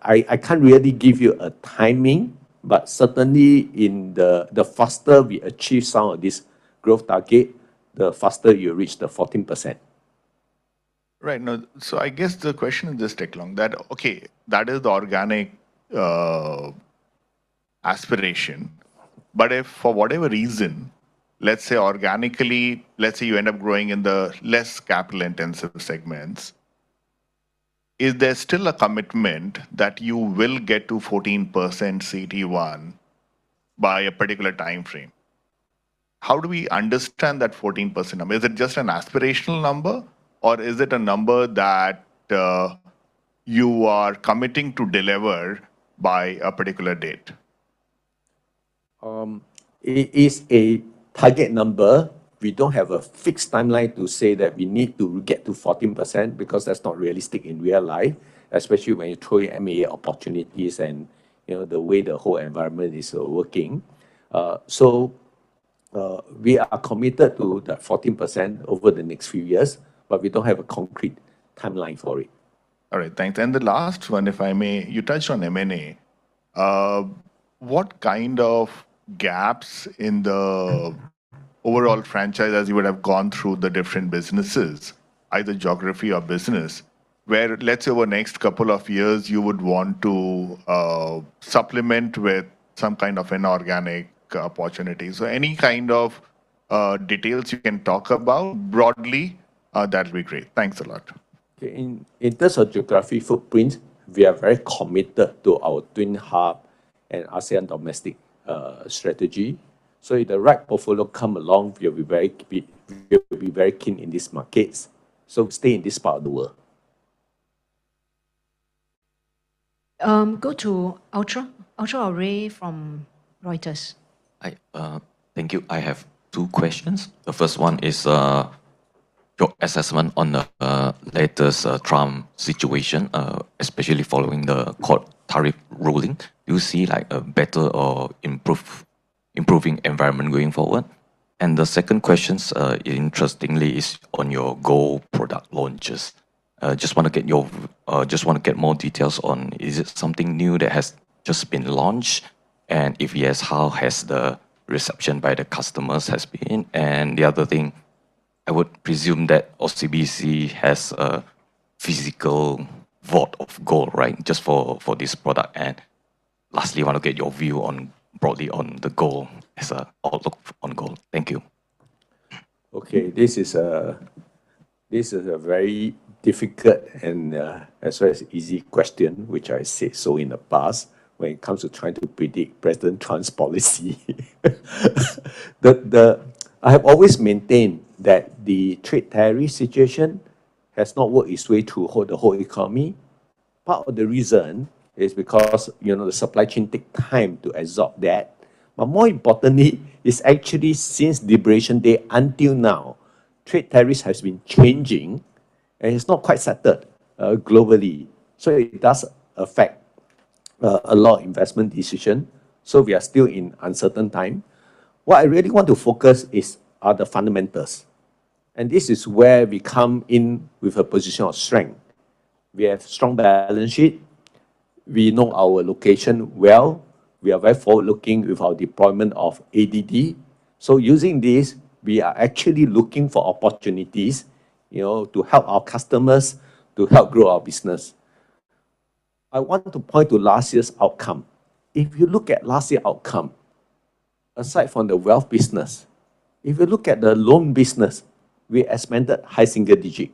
I can't really give you a timing, but certainly in the faster we achieve some of this growth target, the faster you reach the 14%. Right. I guess the question is just, Teck Long, that, okay, that is the organic aspiration. If for whatever reason, let's say organically, let's say you end up growing in the less capital-intensive segments, is there still a commitment that you will get to 14% CET1 by a particular time frame? How do we understand that 14% number? Is it just an aspirational number, or is it a number that you are committing to deliver by a particular date? It is a target number. We don't have a fixed timeline to say that we need to get to 14%, because that's not realistic in real life, especially when you throw in M&A opportunities and, you know, the way the whole environment is working. We are committed to the 14% over the next few years, but we don't have a concrete timeline for it. All right, thanks. The last one, if I may, you touched on M&A. What kind of gaps in the overall franchise, as you would have gone through the different businesses, either geography or business, where, let's say, over the next couple of years, you would want to supplement with some kind of inorganic opportunities? Any kind of details you can talk about broadly, that'd be great. Thanks a lot. Okay. In terms of geography footprint, we are very committed to our twin hub and ASEAN domestic strategy. If the right portfolio come along, we will be very keen in these markets. Stay in this part of the world. go to Ultra, Anshuman Daga from Reuters. I. Thank you. I have two questions. The first one is, your assessment on the latest Trump situation, especially following the court tariff ruling. Do you see, like, a better or improving environment going forward? The second question, interestingly, is on your gold product launches. Just wanna get your, just wanna get more details on, is it something new that has just been launched? If yes, how has the reception by the customers has been? The other thing, I would presume that OCBC has a physical vault of gold, right? Just for this product. Lastly, I wanna get your view on, broadly on the gold as a outlook on gold. Thank you. Okay. This is a, this is a very difficult and as well as easy question, which I said so in the past, when it comes to trying to predict President Trump's policy. I have always maintained that the trade tariff situation has not worked its way to whole, the whole economy. Part of the reason is because, you know, the supply chain take time to absorb that. More importantly, is actually since Liberation Day until now, trade tariffs has been changing, and it's not quite settled globally. It does affect a lot of investment decision, so we are still in uncertain time. What I really want to focus is are the fundamentals, and this is where we come in with a position of strength. We have strong balance sheet, we know our location well, we are very forward-looking with our deployment of ADD. Using this, we are actually looking for opportunities, you know, to help our customers, to help grow our business. I want to point to last year's outcome. If you look at last year's outcome, aside from the wealth business, if you look at the loan business, we expanded high single-digit %.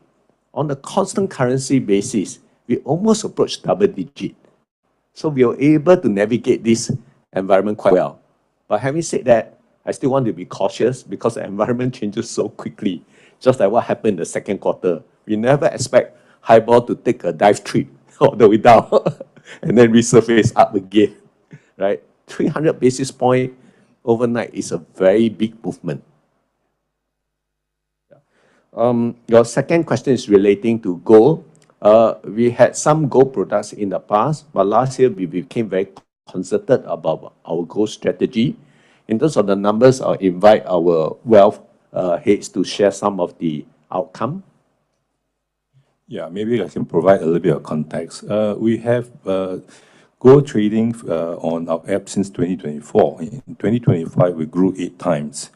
On the constant currency basis, we almost approached double-digit %. We are able to navigate this environment quite well. Having said that, I still want to be cautious because the environment changes so quickly, just like what happened in the second quarter. We never expect HIBOR to take a dive trip all the way down, and then resurface up again, right? 300 basis point overnight is a very big movement. Your second question is relating to gold. We had some gold products in the past, but last year we became very concerted about our gold strategy. In terms of the numbers, I'll invite our wealth heads to share some of the outcome. Yeah, maybe I can provide a little bit of context. We have gold trading on our app since 2024. In 2025, we grew 8 times.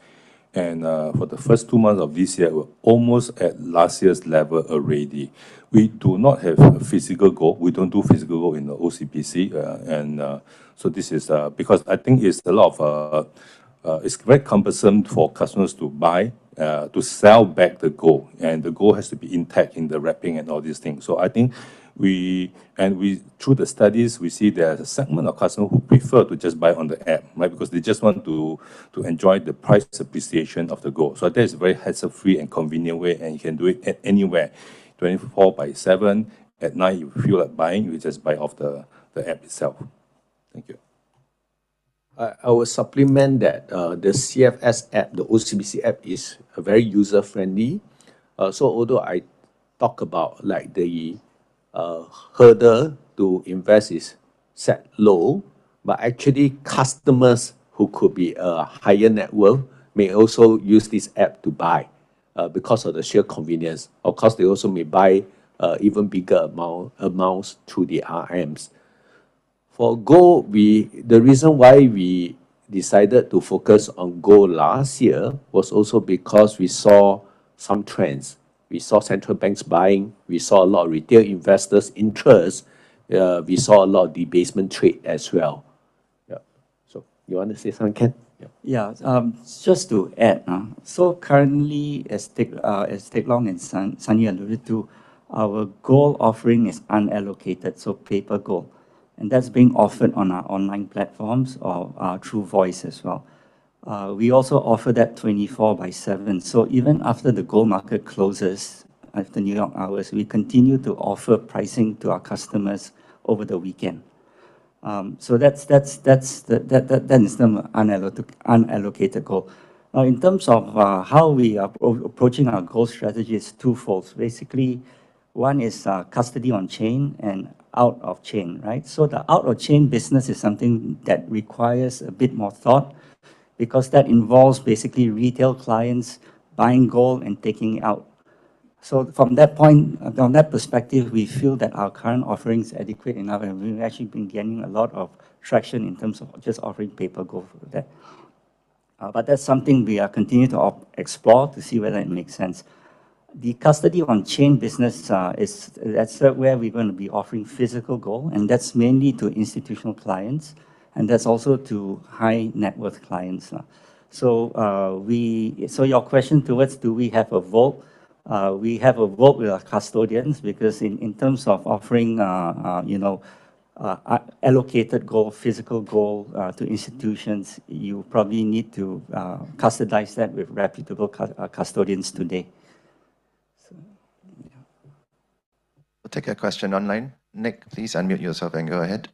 For the first 2 months of this year, we're almost at last year's level already. We do not have physical gold. We don't do physical gold in the OCBC, and so this is... Because I think it's a lot of, it's very cumbersome for customers to buy, to sell back the gold, and the gold has to be intact in the wrapping and all these things. I think we, and we, through the studies, we see there are a segment of customers who prefer to just buy on the app, right? Because they just want to enjoy the price appreciation of the gold. That is a very hassle-free and convenient way, and you can do it at anywhere, 24/7. At night, you feel like buying, you just buy off the app itself. Thank you. I will supplement that, the OCBC app is very user-friendly. Although I talk about, like, the hurdle to invest is set low, but actually, customers who could be higher net worth may also use this app to buy because of the sheer convenience. Of course, they also may buy even bigger amounts through the RMs. For gold, the reason why we decided to focus on gold last year was also because we saw some trends. We saw central banks buying, we saw a lot of retail investors' interest, we saw a lot of debasement trade as well. Yeah. You want to say something, Ken? Yeah. Just to add on, currently, as Teck Long and Sunny alluded to, our gold offering is unallocated, so paper gold, and that's being offered on our online platforms or through voice as well. We also offer that 24 by 7. Even after the gold market closes, after New York hours, we continue to offer pricing to our customers over the weekend. That is the unallocated gold. Now, in terms of how we are approaching our gold strategy is twofolds. Basically, one is custody on-chain and out-of-chain, right? The out-of-chain business is something that requires a bit more thought, because that involves basically retail clients buying gold and taking it out. From that point, from that perspective, we feel that our current offering is adequate enough, and we've actually been gaining a lot of traction in terms of just offering paper gold for that. That's something we are continuing to explore to see whether it makes sense. The custody on-chain business, that's where we're gonna be offering physical gold, and that's mainly to institutional clients, and that's also to high-net-worth clients. Your question to us, do we have a vault? We have a vault with our custodians, because in terms of offering, you know, allocated gold, physical gold, to institutions, you probably need to custodize that with reputable custodians today. Yeah. We'll take a question online. Nick, please unmute yourself and go ahead.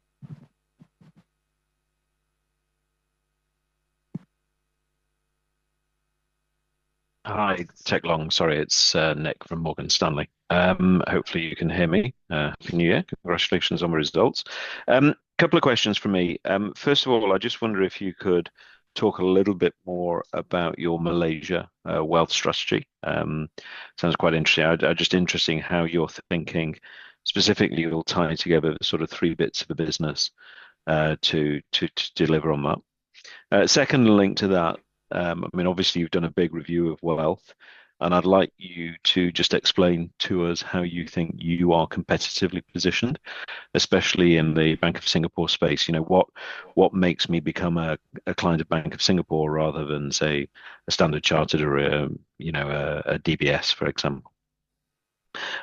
Hi, Teck Long. Sorry, it's Nick from Morgan Stanley. Hopefully, you can hear me in New York. Congratulations on the results. Couple of questions from me. First of all, I just wonder if you could talk a little bit more about your Malaysia wealth strategy. Sounds quite interesting. I'd just interesting how you're thinking specifically you're tying together sort of three bits of the business to deliver on that. Second link to that, I mean, obviously, you've done a big review of wealth, and I'd like you to just explain to us how you think you are competitively positioned, especially in the Bank of Singapore space. You know, what makes me become a client of Bank of Singapore rather than, say, a Standard Chartered or a, you know, a DBS, for example?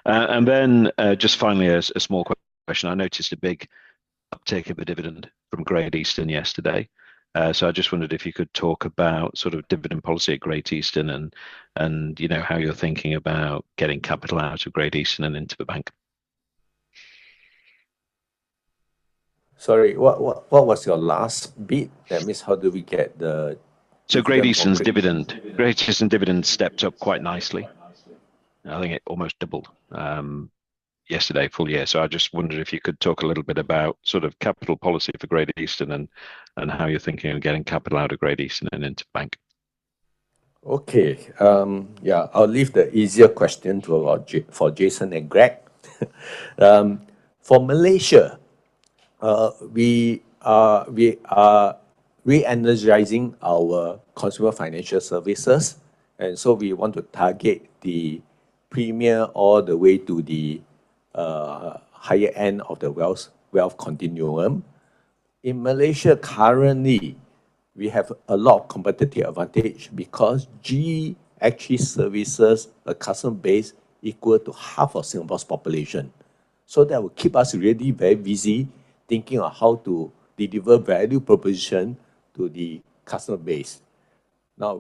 Then, just finally, a small question. I noticed a big uptick of the dividend from Great Eastern yesterday. I just wondered if you could talk about sort of dividend policy at Great Eastern and, you know, how you're thinking about getting capital out of Great Eastern and into the bank? Sorry, what was your last bit? That means how do we get. Great Eastern's dividend. Great Eastern dividend stepped up quite nicely. I think it almost doubled yesterday, full year. I just wondered if you could talk a little bit about sort of capital policy for Great Eastern and how you're thinking of getting capital out of Great Eastern and into Bank. Okay. Yeah, I'll leave the easier question for Jason and Greg. For Malaysia, we are re-energizing our consumer financial services. We want to target the Premier all the way to the higher end of the wealth continuum. In Malaysia, currently, we have a lot of competitive advantage because G actually services a customer base equal to half of Singapore's population. That will keep us really very busy thinking on how to deliver value proposition to the customer base.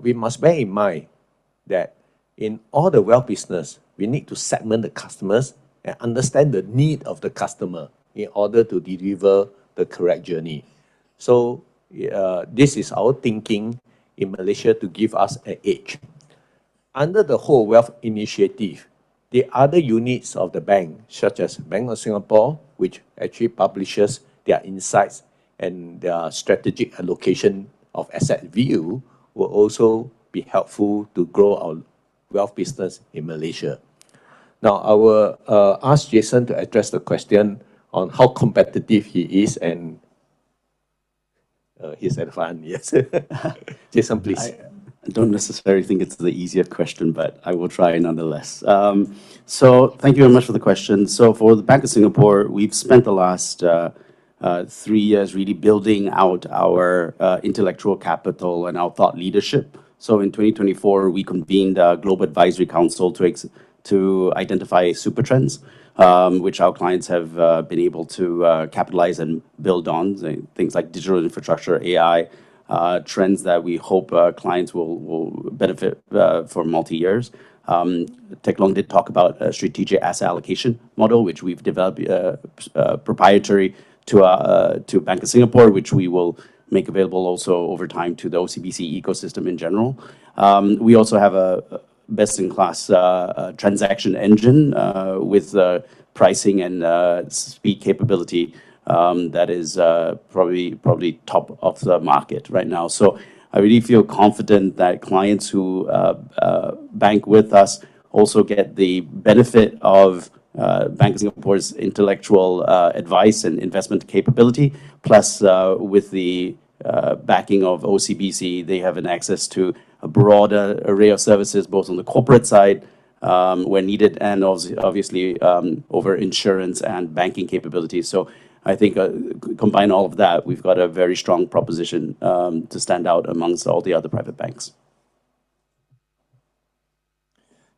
We must bear in mind that in all the wealth business, we need to segment the customers and understand the need of the customer in order to deliver the correct journey. This is our thinking in Malaysia to give us an edge. Under the whole wealth initiative, the other units of the bank, such as Bank of Singapore, which actually publishes their insights and their strategic allocation of asset view, will also be helpful to grow our wealth business in Malaysia. I will ask Jason to address the question on how competitive he is, and he said, "Fine, yes." Jason, please. I don't necessarily think it's the easier question, but I will try nonetheless. Thank you very much for the question. For the Bank of Singapore, we've spent the last 3 years really building out our intellectual capital and our thought leadership. In 2024, we convened a Global Advisory Council to identify super trends, which our clients have been able to capitalize and build on, things like digital infrastructure, AI, trends that we hope our clients will benefit for multi years. Teck Long did talk about a strategic asset allocation model, which we've developed proprietary to Bank of Singapore, which we will make available also over time to the OCBC ecosystem in general. We also have a best-in-class transaction engine with pricing and speed capability that is probably top of the market right now. I really feel confident that clients who bank with us also get the benefit of Bank of Singapore's intellectual advice and investment capability. Plus, with the backing of OCBC, they have an access to a broader array of services, both on the corporate side, where needed, and obviously, over insurance and banking capabilities. I think, combine all of that, we've got a very strong proposition to stand out amongst all the other private banks.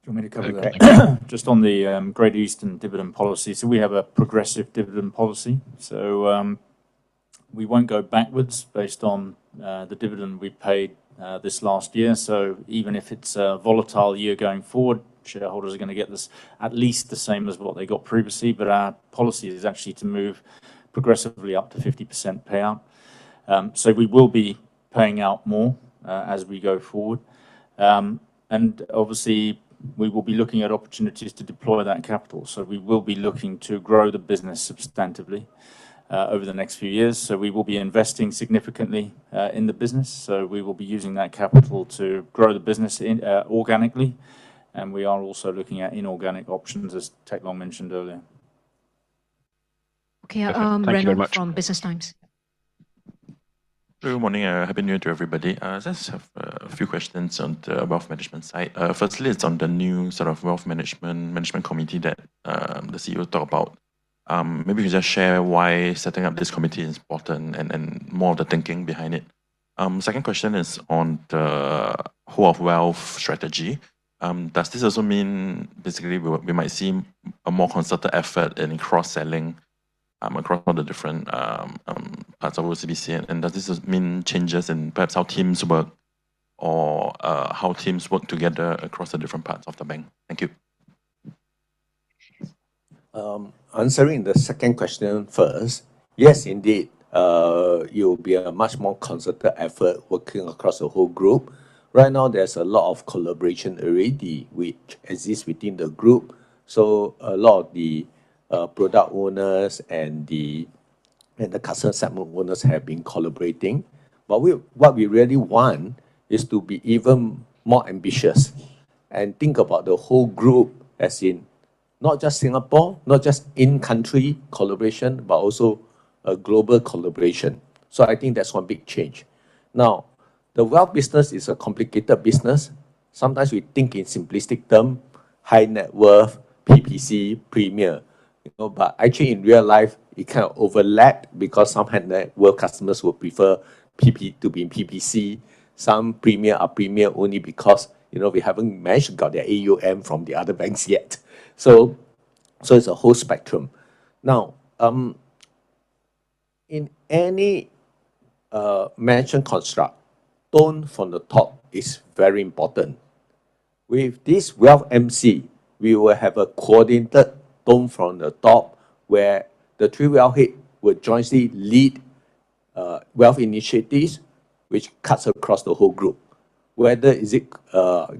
Do you want me to cover that? Just on the Great Eastern dividend policy. We have a progressive dividend policy, so we won't go backwards based on the dividend we paid this last year. Even if it's a volatile year going forward, shareholders are gonna get this at least the same as what they got previously. Our policy is actually to move progressively up to 50% payout. We will be paying out more as we go forward. Obviously, we will be looking at opportunities to deploy that capital. We will be looking to grow the business substantively over the next few years. We will be investing significantly in the business, so we will be using that capital to grow the business in organically, and we are also looking at inorganic options, as Teck Long mentioned earlier. Okay. Thank you very much. From Business Times. Good morning, and a happy new year to everybody. I just have a few questions on the wealth management side. firstly, it's on the new sort of wealth management committee that the CEO talked about. Maybe you can just share why setting up this committee is important and more of the thinking behind it. Second question is on the whole of wealth strategy. Does this also mean basically we might see a more concerted effort in cross-selling across all the different parts of OCBC? Does this mean changes in perhaps how teams work or how teams work together across the different parts of the bank? Thank you. Answering the second question first, yes, indeed, you'll be on a much more concerted effort working across the whole group. Right now, there's a lot of collaboration already which exists within the group. A lot of the product owners and the customer segment owners have been collaborating. What we really want is to be even more ambitious and think about the whole group as in not just Singapore, not just in-country collaboration, but also a global collaboration. I think that's one big change. The wealth business is a complicated business. Sometimes we think in simplistic term, high-net-worth, PPC, premier. You know, actually in real life, it kind of overlap because some high-net-worth customers would prefer to be in PPC. Some premier are premier only because, you know, we haven't managed to get their AUM from the other banks yet. it's a whole spectrum. Now, in any mentioned construct, tone from the top is very important. With this Wealth MC, we will have a coordinated tone from the top, where the three wealth head will jointly lead wealth initiatives, which cuts across the whole group. Whether is it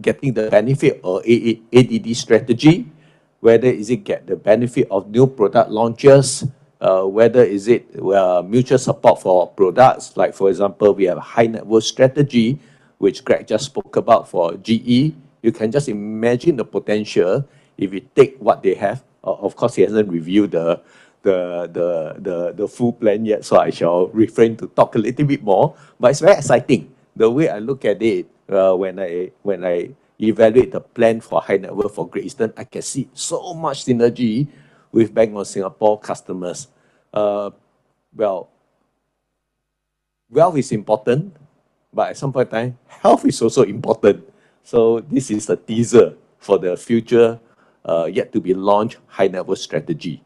getting the benefit or ADD strategy, whether is it get the benefit of new product launches, whether is it mutual support for products, like for example, we have high net worth strategy, which Greg just spoke about for GE. You can just imagine the potential if you take what they have. Of course, he hasn't reviewed the full plan yet. I shall refrain to talk a little bit more. It's very exciting. The way I look at it, when I evaluate the plan for high net worth for Great Eastern, I can see so much synergy with Bank of Singapore customers. Well, wealth is important, but at some point in time, health is also important. This is a teaser for the future, yet-to-be-launched high net worth strategy.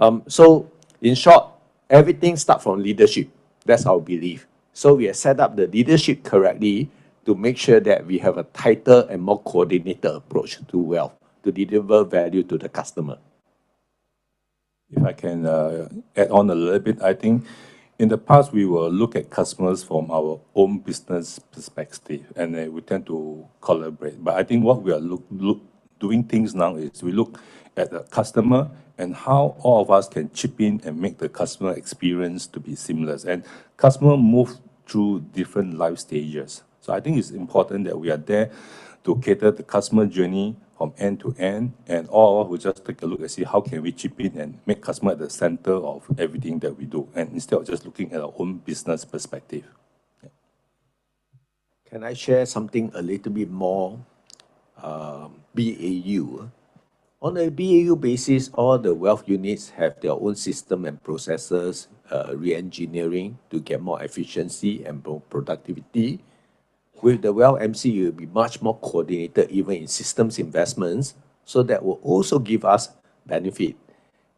In short, everything start from leadership. That's our belief. We have set up the leadership correctly to make sure that we have a tighter and more coordinated approach to wealth, to deliver value to the customer. If I can add on a little bit, I think in the past, we would look at customers from our own business perspective, then we tend to collaborate. I think what we are doing things now is we look at the customer and how all of us can chip in and make the customer experience to be seamless. Customer move through different life stages. I think it's important that we are there to cater the customer journey from end to end, all, we just take a look and see how can we chip in and make customer the center of everything that we do, instead of just looking at our own business perspective. Yeah. Can I share something a little bit more? BAU. On a BAU basis, all the wealth units have their own system and processes, reengineering to get more efficiency and productivity. With the Wealth MC, you'll be much more coordinated, even in systems investments, so that will also give us benefit.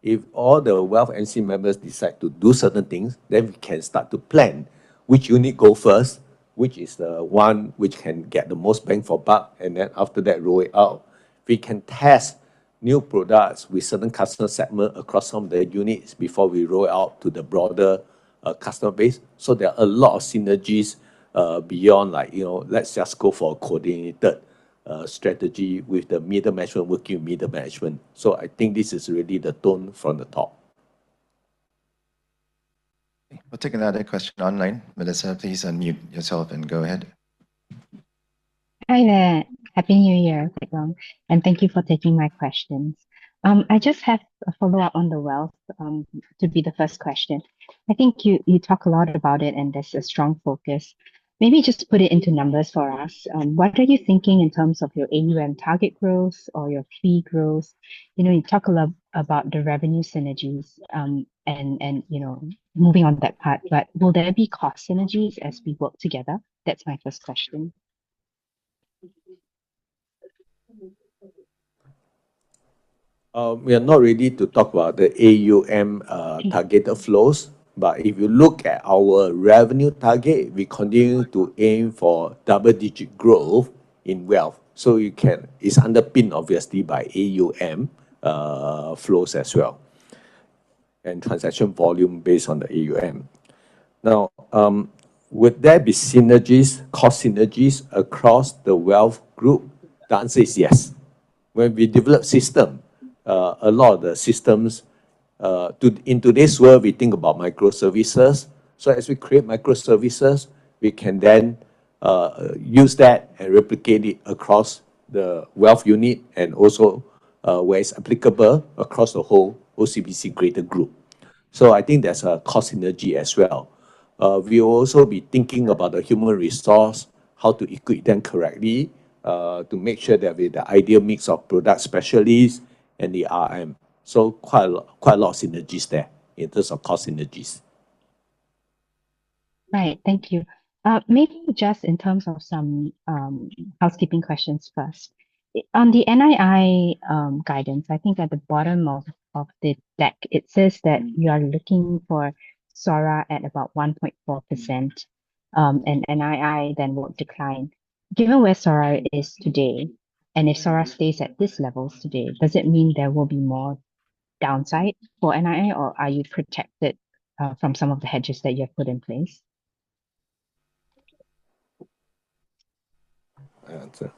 If all the Wealth MC members decide to do certain things, then we can start to plan which unit go first, which is the one which can get the most bang for buck, and then after that, roll it out. We can test new products with certain customer segment across some of the units before we roll out to the broader customer base. There are a lot of synergies, beyond like, you know, let's just go for a coordinated strategy with the middle management working with middle management. I think this is really the tone from the top. We'll take another question online. Melissa, please unmute yourself and go ahead. Hi there. Happy New Year, everyone. Thank you for taking my questions. I just have a follow-up on the wealth to be the first question. I think you talk a lot about it, and there's a strong focus. Maybe just put it into numbers for us. What are you thinking in terms of your AUM target growth or your fee growth? You know, you talk a lot about the revenue synergies, and you know, moving on that part, but will there be cost synergies as we work together? That's my first question. We are not ready to talk about the AUM target outflows, but if you look at our revenue target, we continue to aim for double-digit growth in wealth. It's underpinned, obviously, by AUM flows as well, and transaction volume based on the AUM. Now, would there be synergies, cost synergies across the wealth group? The answer is yes. When we develop system, a lot of the systems into this world, we think about microservices. As we create microservices, we can then use that and replicate it across the wealth unit and also, where it's applicable, across the whole OCBC greater group. I think there's a cost synergy as well. We will also be thinking about the human resource, how to equip them correctly, to make sure that we have the ideal mix of product specialists and the RM. Quite a lot of synergies there in terms of cost synergies. Right. Thank you. maybe just in terms of some, housekeeping questions first. On the NII, guidance, I think at the bottom of the deck, it says that you are looking for SORA at about 1.4%, NII then won't decline. Given where SORA is today, and if SORA stays at this levels today, does it mean there will be more downside for NII, or are you protected, from some of the hedges that you have put in place? I answer.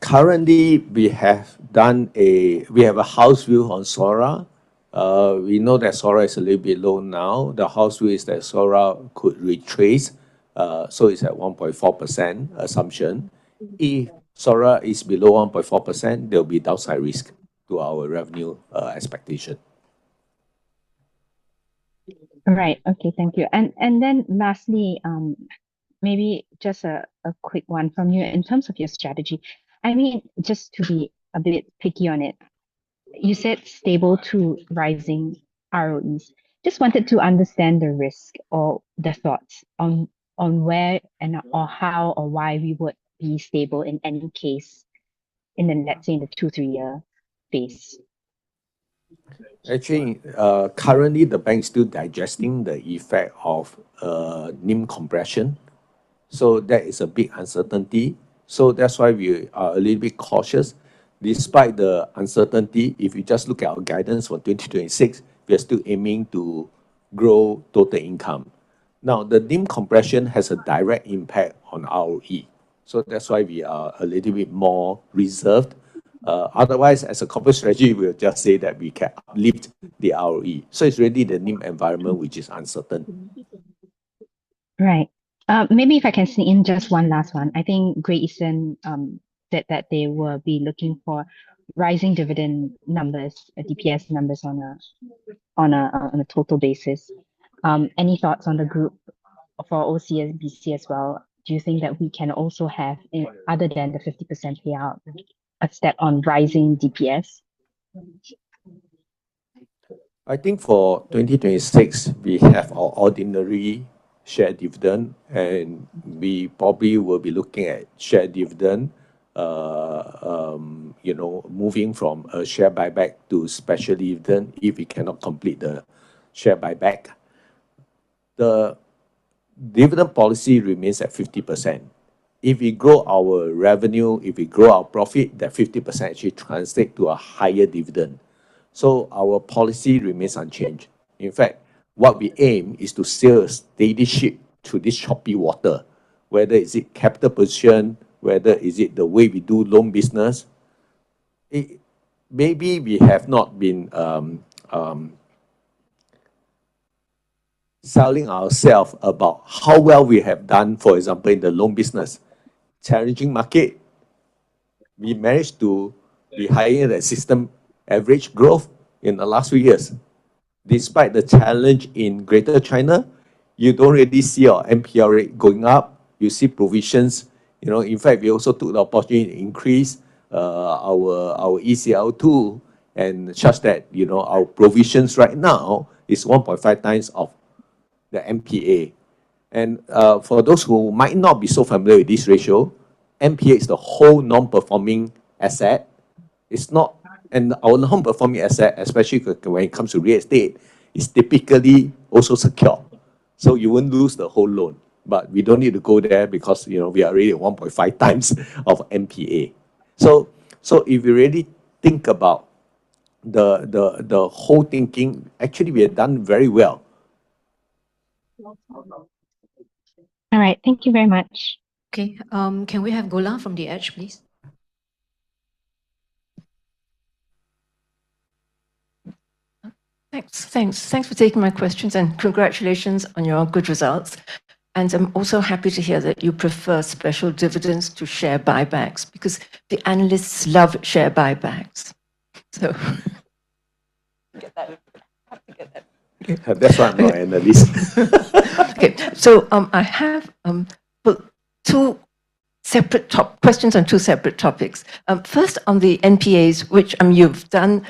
Currently, we have a house view on SORA. We know that SORA is a little bit low now. The house view is that SORA could retrace, so it's at 1.4% assumption. If SORA is below 1.4%, there'll be downside risk to our revenue expectation. All right. Okay, thank you. Then lastly, maybe just a quick one from you. In terms of your strategy, I mean, just to be a bit picky on it, you said stable to rising ROEs. Just wanted to understand the risk or the thoughts on where and or how or why we would be stable in any case, in the next, say, in the two, three-year phase? Actually, currently, the bank's still digesting the effect of NIM compression, that is a big uncertainty. That's why we are a little bit cautious. Despite the uncertainty, if you just look at our guidance for 2026, we are still aiming to grow total income. Now, the NIM compression has a direct impact on ROE, that's why we are a little bit more reserved. Otherwise, as a corporate strategy, we'll just say that we can lift the ROE. It's really the NIM environment which is uncertain. Right. Maybe if I can sneak in just one last one. I think Great Eastern said that they will be looking for rising dividend numbers, DPS numbers on a, on a, on a total basis. Any thoughts on the group for OCBC as well? Do you think that we can also have, other than the 50% payout, a step on rising DPS? I think for 2026, we have our ordinary share dividend. We probably will be looking at share dividend, you know, moving from a share buyback to special dividend if we cannot complete the share buyback. The dividend policy remains at 50%. If we grow our revenue, if we grow our profit, that 50% should translate to a higher dividend. Our policy remains unchanged. In fact, what we aim is to steer a steady ship through this choppy water, whether is it capital position, whether is it the way we do loan business. Maybe we have not been selling ourselves about how well we have done, for example, in the loan business. Challenging market, we managed to be higher than system average growth in the last few years. Despite the challenge in Greater China, you don't really see our NPR rate going up. You see provisions. You know, in fact, we also took the opportunity to increase our ECL2 and trust that, you know, our provisions right now is 1.5x of the NPA. For those who might not be so familiar with this ratio, NPA is the whole non-performing asset. Our non-performing asset, especially when it comes to real estate, is typically also secure, so you wouldn't lose the whole loan. We don't need to go there because, you know, we are already at 1.5x of NPA. If you really think about the whole thinking, actually, we have done very well. All right. Thank you very much. Okay, can we have Goola from The Edge, please? Thanks. Thanks. Thanks for taking my questions. Congratulations on your good results. I'm also happy to hear that you prefer special dividends to share buybacks, because the Analysts love share buybacks. That's on my end, at least. Okay. I have, well, two separate top- questions on two separate topics. First, on the NPAs, which you've done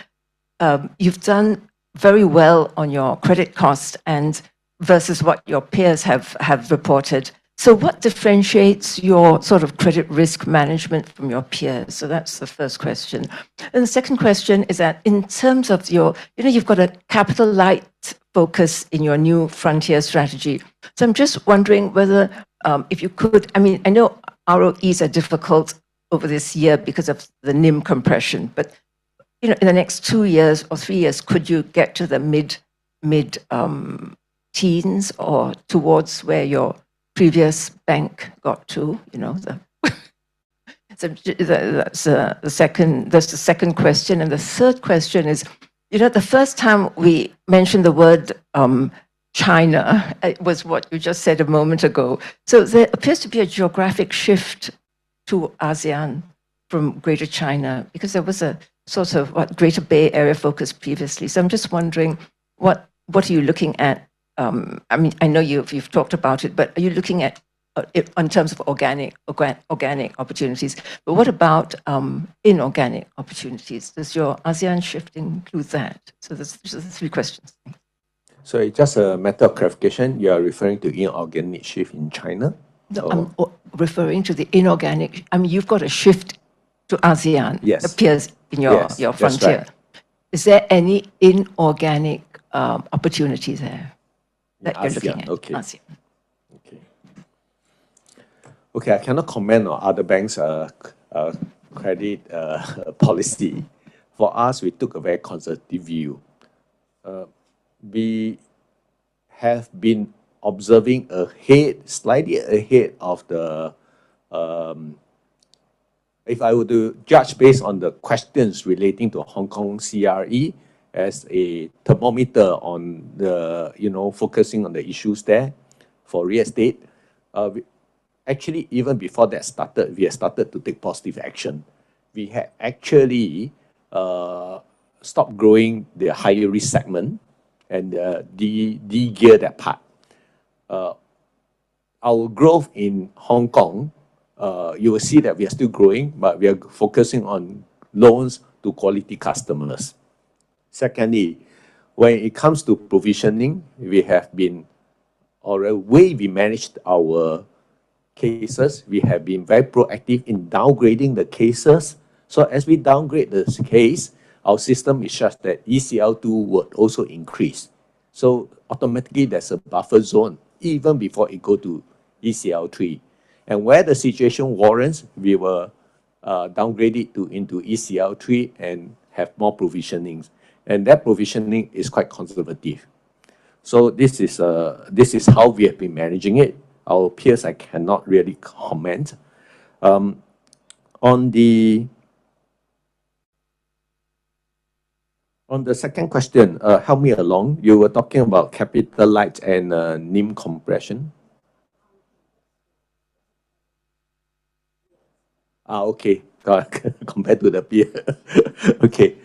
very well on your credit costs and versus what your peers have reported. What differentiates your sort of credit risk management from your peers? That's the first question. The second question is that in terms of your, you know, you've got a capital light focus in your new frontier strategy. I'm just wondering whether, I mean, I know ROEs are difficult over this year because of the NIM compression, but, you know, in the next two years or three years, could you get to the mid teens or towards where your previous bank got to? You know, the second- that's the second question. The third question is, you know, the first time we mentioned the word, China, was what you just said a moment ago. There appears to be a Geographic shift to ASEAN from Greater China, because there was a sort of, what, Greater Bay Area focus previously. I'm just wondering, what are you looking at? I mean, I know you've talked about it, but are you looking at, in terms of organic opportunities, but what about, inorganic opportunities? Does your ASEAN shift include that? There's three questions. Just a matter of clarification, you are referring to inorganic shift in China? No, I'm referring to the inorganic... I mean, you've got a shift to ASEAN- Yes Appears in Yes, that's right. Your frontier. Is there any inorganic opportunity there that you're looking at? Yeah, okay. Yeah. Okay. Okay, I cannot comment on other banks' credit policy. For us, we took a very conservative view. We have been observing ahead, slightly ahead of the. If I were to judge based on the questions relating to Hong Kong CRE as a thermometer on the, you know, focusing on the issues there for real estate, actually, even before that started, we had started to take positive action. We had actually stopped growing the higher risk segment and de-gear that part. Our growth in Hong Kong, you will see that we are still growing, but we are focusing on loans to quality customers. Secondly, when it comes to provisioning, we have been. The way we managed our cases, we have been very proactive in downgrading the cases. as we downgrade the case, our system is such that ECL2 would also increase. automatically, there's a buffer zone even before it go to ECL3. where the situation warrants, we were downgraded to, into ECL3 and have more provisionings, and that provisioning is quite conservative. this is how we have been managing it. Our peers, I cannot really comment. on the, on the second question, help me along. You were talking about capital light and NIM compression? Okay. Compared to the peer. Okay.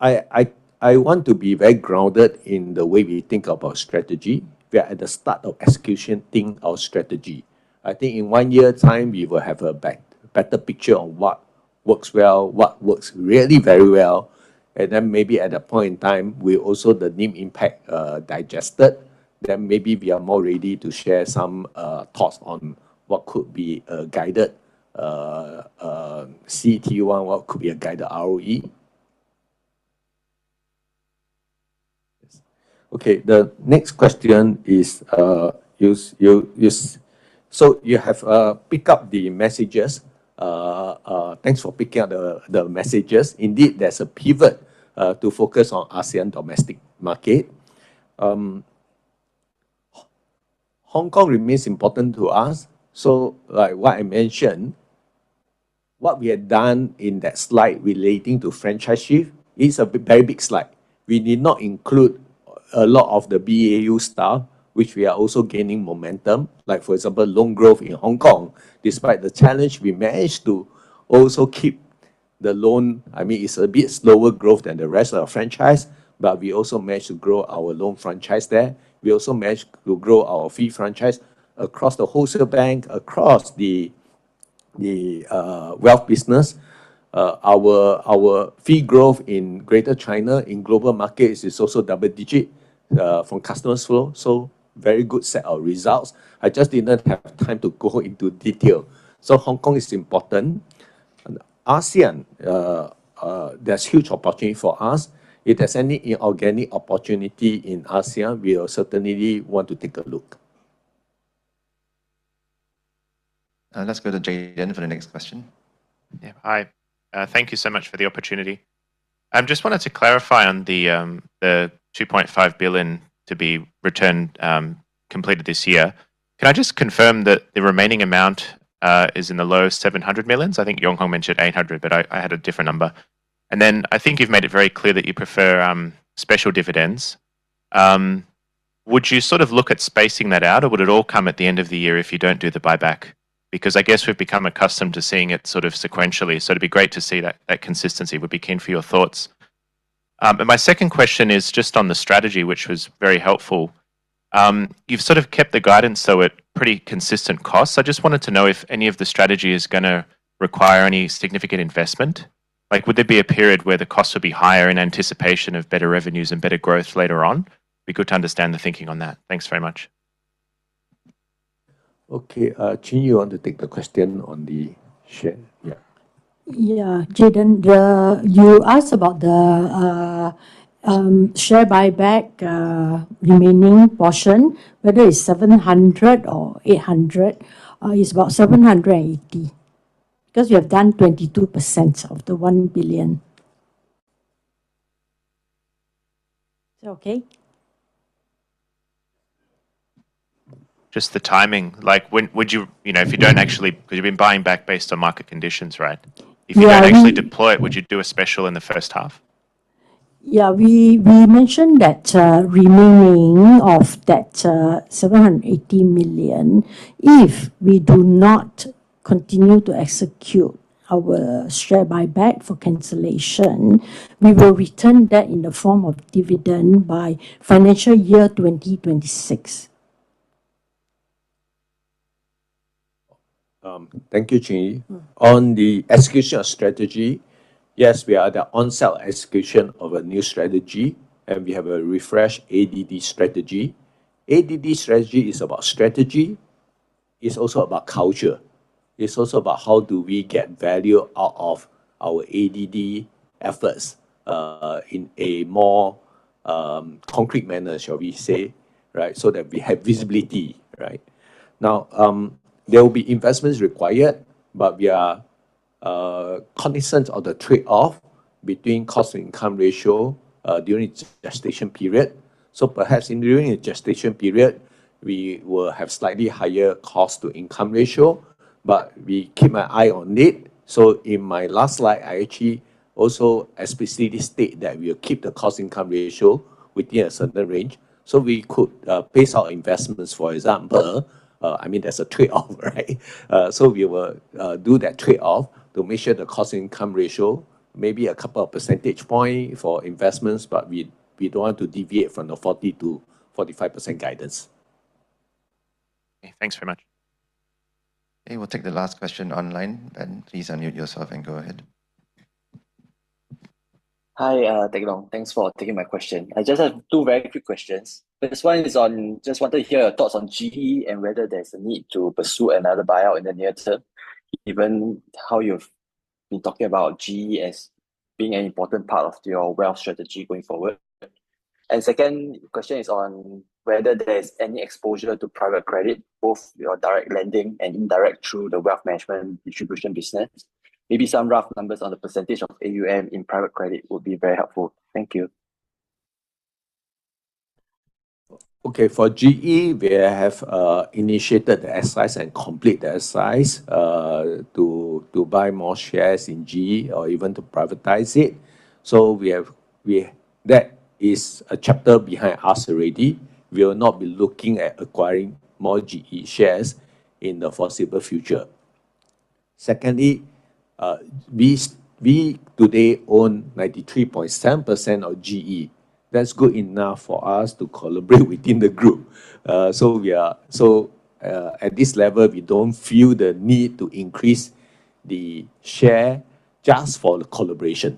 I want to be very grounded in the way we think about strategy. We are at the start of executing our strategy. I think in one year time, we will have a better picture on what works well, what works really very well, and then maybe at that point in time, we also the NIM impact, digested, then maybe we are more ready to share some thoughts on what could be a guided CET1, what could be a guided ROE. Yes. Okay, the next question is, you have pick up the messages. Thanks for picking up the messages. Indeed, there's a pivot to focus on ASEAN domestic market. Hong Kong remains important to us, so like what I mentioned, what we have done in that slide relating to Franchise Shift is a very big slide. We did not include a lot of the BAU stuff, which we are also gaining momentum. Like, for example, loan growth in Hong Kong, despite the challenge, we managed to also keep the loan. I mean, it's a bit slower growth than the rest of our franchise, we also managed to grow our loan franchise there. We also managed to grow our fee franchise across the wholesale bank, across the wealth business. Our fee growth in Greater China, in Global Markets, is also double-digit from customers flow. Very good set of results. I just did not have time to go into detail. Hong Kong is important. ASEAN, there's huge opportunity for us. If there's any inorganic opportunity in ASEAN, we will certainly want to take a look. Let's go to Jayden for the next question. Yeah. Hi. Thank you so much for the opportunity. I just wanted to clarify on the 2.5 billion to be returned, completed this year. Can I just confirm that the remaining amount is in the low 700 million? I think Yong Hong mentioned 800 million, but I had a different number. I think you've made it very clear that you prefer special dividends. Would you sort of look at spacing that out, or would it all come at the end of the year if you don't do the buyback? Because I guess we've become accustomed to seeing it sort of sequentially, so it'd be great to see that consistency. We'd be keen for your thoughts. My second question is just on the strategy, which was very helpful. You've sort of kept the guidance, so at pretty consistent costs. I just wanted to know if any of the strategy is gonna require any significant investment. Like, would there be a period where the costs would be higher in anticipation of better revenues and better growth later on? It'd be good to understand the thinking on that. Thanks very much. Okay, Chin, you want to take the question on the share? Yeah. Yeah, Jayden, You asked about the share buyback remaining portion, whether it's 700 million or 800 million. It's about 780 million, because we have done 22% of the 1 billion. Is that okay? Just the timing. Like, when would you... You know, if you don't actually. Because you've been buying back based on market conditions, right? Yeah. If you don't actually deploy it, would you do a special in the first half? Yeah, we mentioned that remaining of that 780 million, if we do not continue to execute our share buyback for cancellation, we will return that in the form of dividend by financial year 2026. Thank you, Chin. Mm. On the execution of strategy, yes, we are the on-sale execution of a new strategy. We have a refreshed ADD strategy. ADD strategy is about strategy. It's also about culture. It's also about how do we get value out of our ADD efforts in a more concrete manner, shall we say, right? So that we have visibility, right? There will be investments required, but we are cognizant of the trade-off between cost-to-income ratio during its gestation period. Perhaps in during the gestation period, we will have slightly higher cost-to-income ratio, but we keep an eye on it. In my last slide, I actually also explicitly state that we will keep the cost-to-income ratio within a certain range, so we could base our investments, for example. I mean, there's a trade-off, right? We will do that trade-off to make sure the cost-income ratio, maybe a couple of percentage point for investments, but we don't want to deviate from the 40%-45% guidance. Okay, thanks very much. Okay, we'll take the last question online. Please unmute yourself and go ahead. Hi, Teong. Thanks for taking my question. I just have two very quick questions. The first one is on, just wanted to hear your thoughts on GE and whether there's a need to pursue another buyout in the near term, given how you've been talking about GE as being an important part of your wealth strategy going forward. Second question is on whether there's any exposure to private credit, both your direct lending and indirect through the wealth management distribution business. Maybe some rough numbers on the % of AUM in private credit would be very helpful. Thank you. Okay. For GE, we have initiated the exercise and complete the exercise to buy more shares in GE or even to privatize it. That is a chapter behind us already. We will not be looking at acquiring more GE shares in the foreseeable future. Secondly, we today own 93.7% of GE. That's good enough for us to collaborate within the group. At this level, we don't feel the need to increase the share just for the collaboration.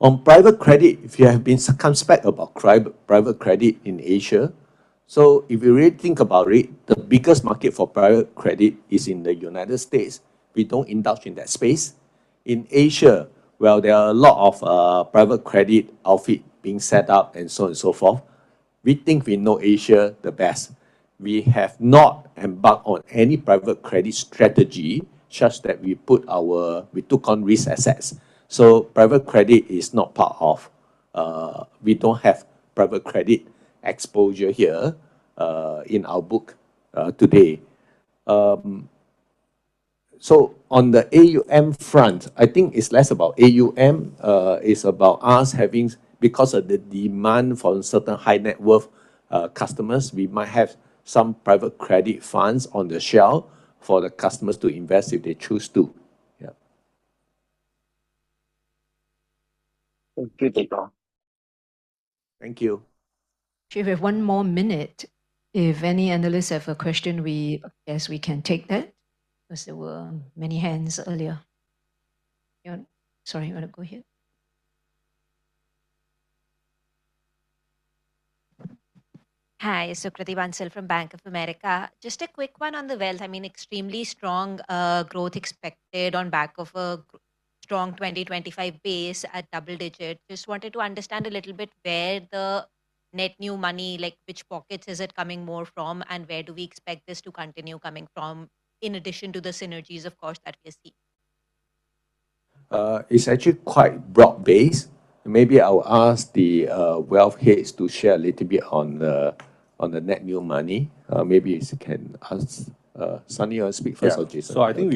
On private credit, we have been circumspect about private credit in Asia. If you really think about it, the biggest market for private credit is in the United States. We don't indulge in that space. In Asia, while there are a lot of private credit outfit being set up and so on and so forth, we think we know Asia the best. We have not embarked on any private credit strategy, just that we took on risk assets. Private credit is not part of. We don't have private credit exposure here in our book today. On the AUM front, I think it's less about AUM, it's about us having, because of the demand for certain high-net-worth customers, we might have some private credit funds on the shelf for the customers to invest if they choose to. Yeah. Thank you, Teong. Thank you. Okay, we have one more minute. If any Analysts have a question, we, guess we can take that, because there were many hands earlier. Sorry, you wanna go ahead? Hi, Sukriti Bansal from Bank of America. Just a quick one on the wealth. I mean, extremely strong growth expected on back of a strong 2025 base at double-digit. Just wanted to understand a little bit where the net new money, like, which pockets is it coming more from, and where do we expect this to continue coming from, in addition to the synergies, of course, that we see? It's actually quite broad-based. Maybe I'll ask the wealth heads to share a little bit on the, on the net new money. Maybe it's can ask Sunny, you want to speak first or Jason? Yeah. I think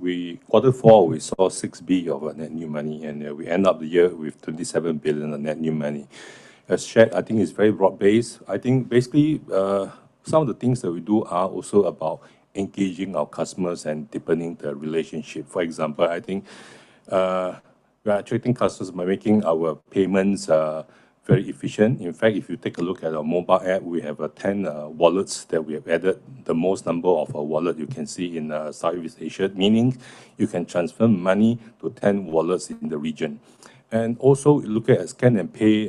we Quarter four, we saw 6 billion of our net new money, and we end up the year with 27 billion on net new money. As shared, I think it's very broad-based. I think basically, some of the things that we do are also about engaging our customers and deepening the relationship. For example, I think, we are attracting customers by making our payments, very efficient. In fact, if you take a look at our mobile app, we have, 10 wallets that we have added, the most number of a wallet you can see in Southeast Asia, meaning you can transfer money to 10 wallets in the region. Also, look at scan and pay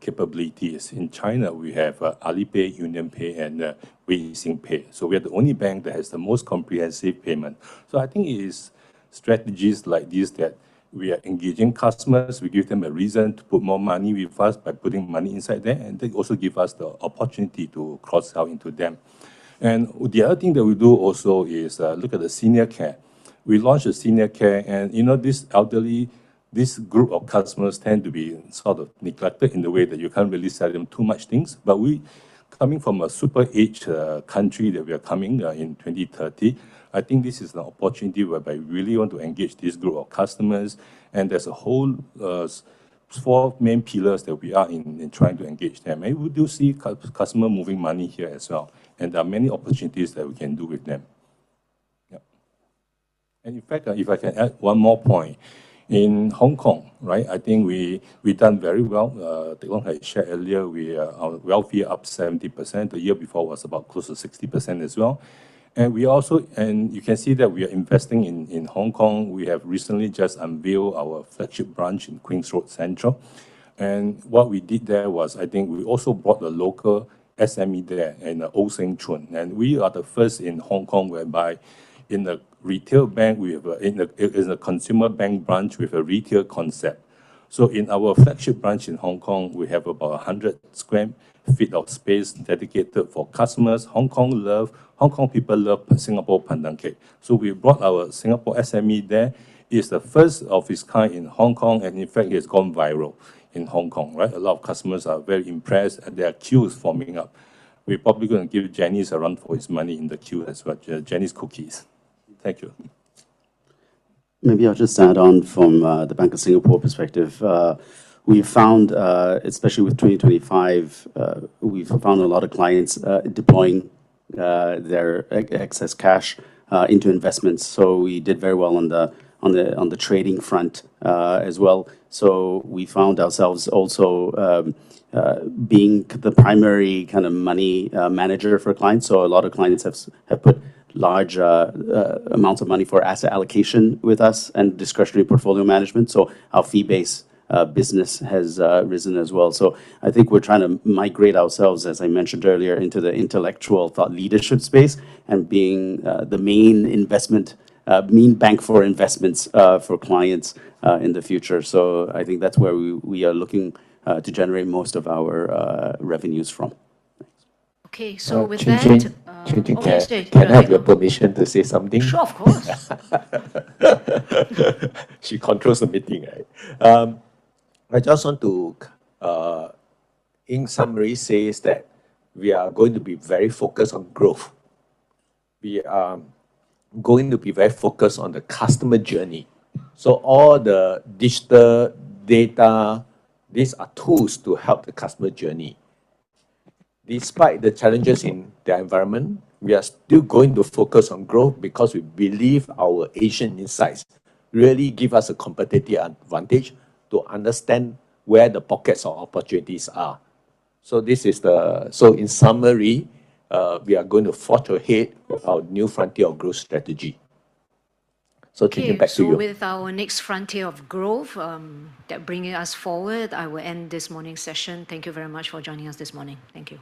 capabilities. In China, we have, Alipay, UnionPay, and Weixin Pay. We are the only bank that has the most comprehensive payment. I think it is strategies like this that we are engaging customers. We give them a reason to put more money with us by putting money inside there, and they also give us the opportunity to cross-sell into them. The other thing that we do also is, look at the Senior Care. We launched a Senior Care, and, you know, this elderly, this group of customers tend to be sort of neglected in the way that you can't really sell them too much things. We, coming from a super aged country that we are coming in 2030, I think this is an opportunity whereby we really want to engage this group of customers, and there's a whole four main pillars that we are in trying to engage them. We do see customer moving money here as well, and there are many opportunities that we can do with them. Yep. In fact, if I can add 1 more point. In Hong Kong, right, I think we've done very well. Teong had shared earlier, we, our wealth year up 70%. The year before was about close to 60% as well. We also, and you can see that we are investing in Hong Kong. We have recently just unveiled our flagship branch in Queens Road Central. What we did there was, I think, we also brought the local SME there in the Old St. John. We are the first in Hong Kong, whereby in the retail bank it is a consumer bank branch with a retail concept. In our flagship branch in Hong Kong, we have about 100 sq ft of space dedicated for customers. Hong Kong people love Singapore pandan cake, we brought our Singapore SME there. It's the first of its kind in Hong Kong, in fact, it's gone viral in Hong Kong, right? A lot of customers are very impressed, there are queues forming up. We're probably gonna give Jennis a run for his money in the queue as well, Jenny's Cookies. Thank you. Maybe I'll just add on from the Bank of Singapore perspective. We found, especially with 2025, we've found a lot of clients deploying their excess cash into investments, so we did very well on the trading front as well. We found ourselves also being the primary kind of money manager for clients. A lot of clients have put large amounts of money for asset allocation with us and discretionary portfolio management, so our fee-based business has risen as well. I think we're trying to migrate ourselves, as I mentioned earlier, into the intellectual thought leadership space and being the main investment main bank for investments for clients in the future. I think that's where we are looking to generate most of our revenues from. Okay, with that. Chin, can I have your permission to say something? Sure, of course. She controls the meeting, right? I just want to, in summary, say is that we are going to be very focused on growth. We are going to be very focused on the customer journey. All the digital data, these are tools to help the customer journey. Despite the challenges in the environment, we are still going to focus on growth because we believe our Asian insights really give us a competitive advantage to understand where the pockets of opportunities are. In summary, we are going to forge ahead with our new frontier of growth strategy. Chin, back to you. With our next frontier of growth, that bringing us forward, I will end this morning's session. Thank you very much for joining us this morning. Thank you.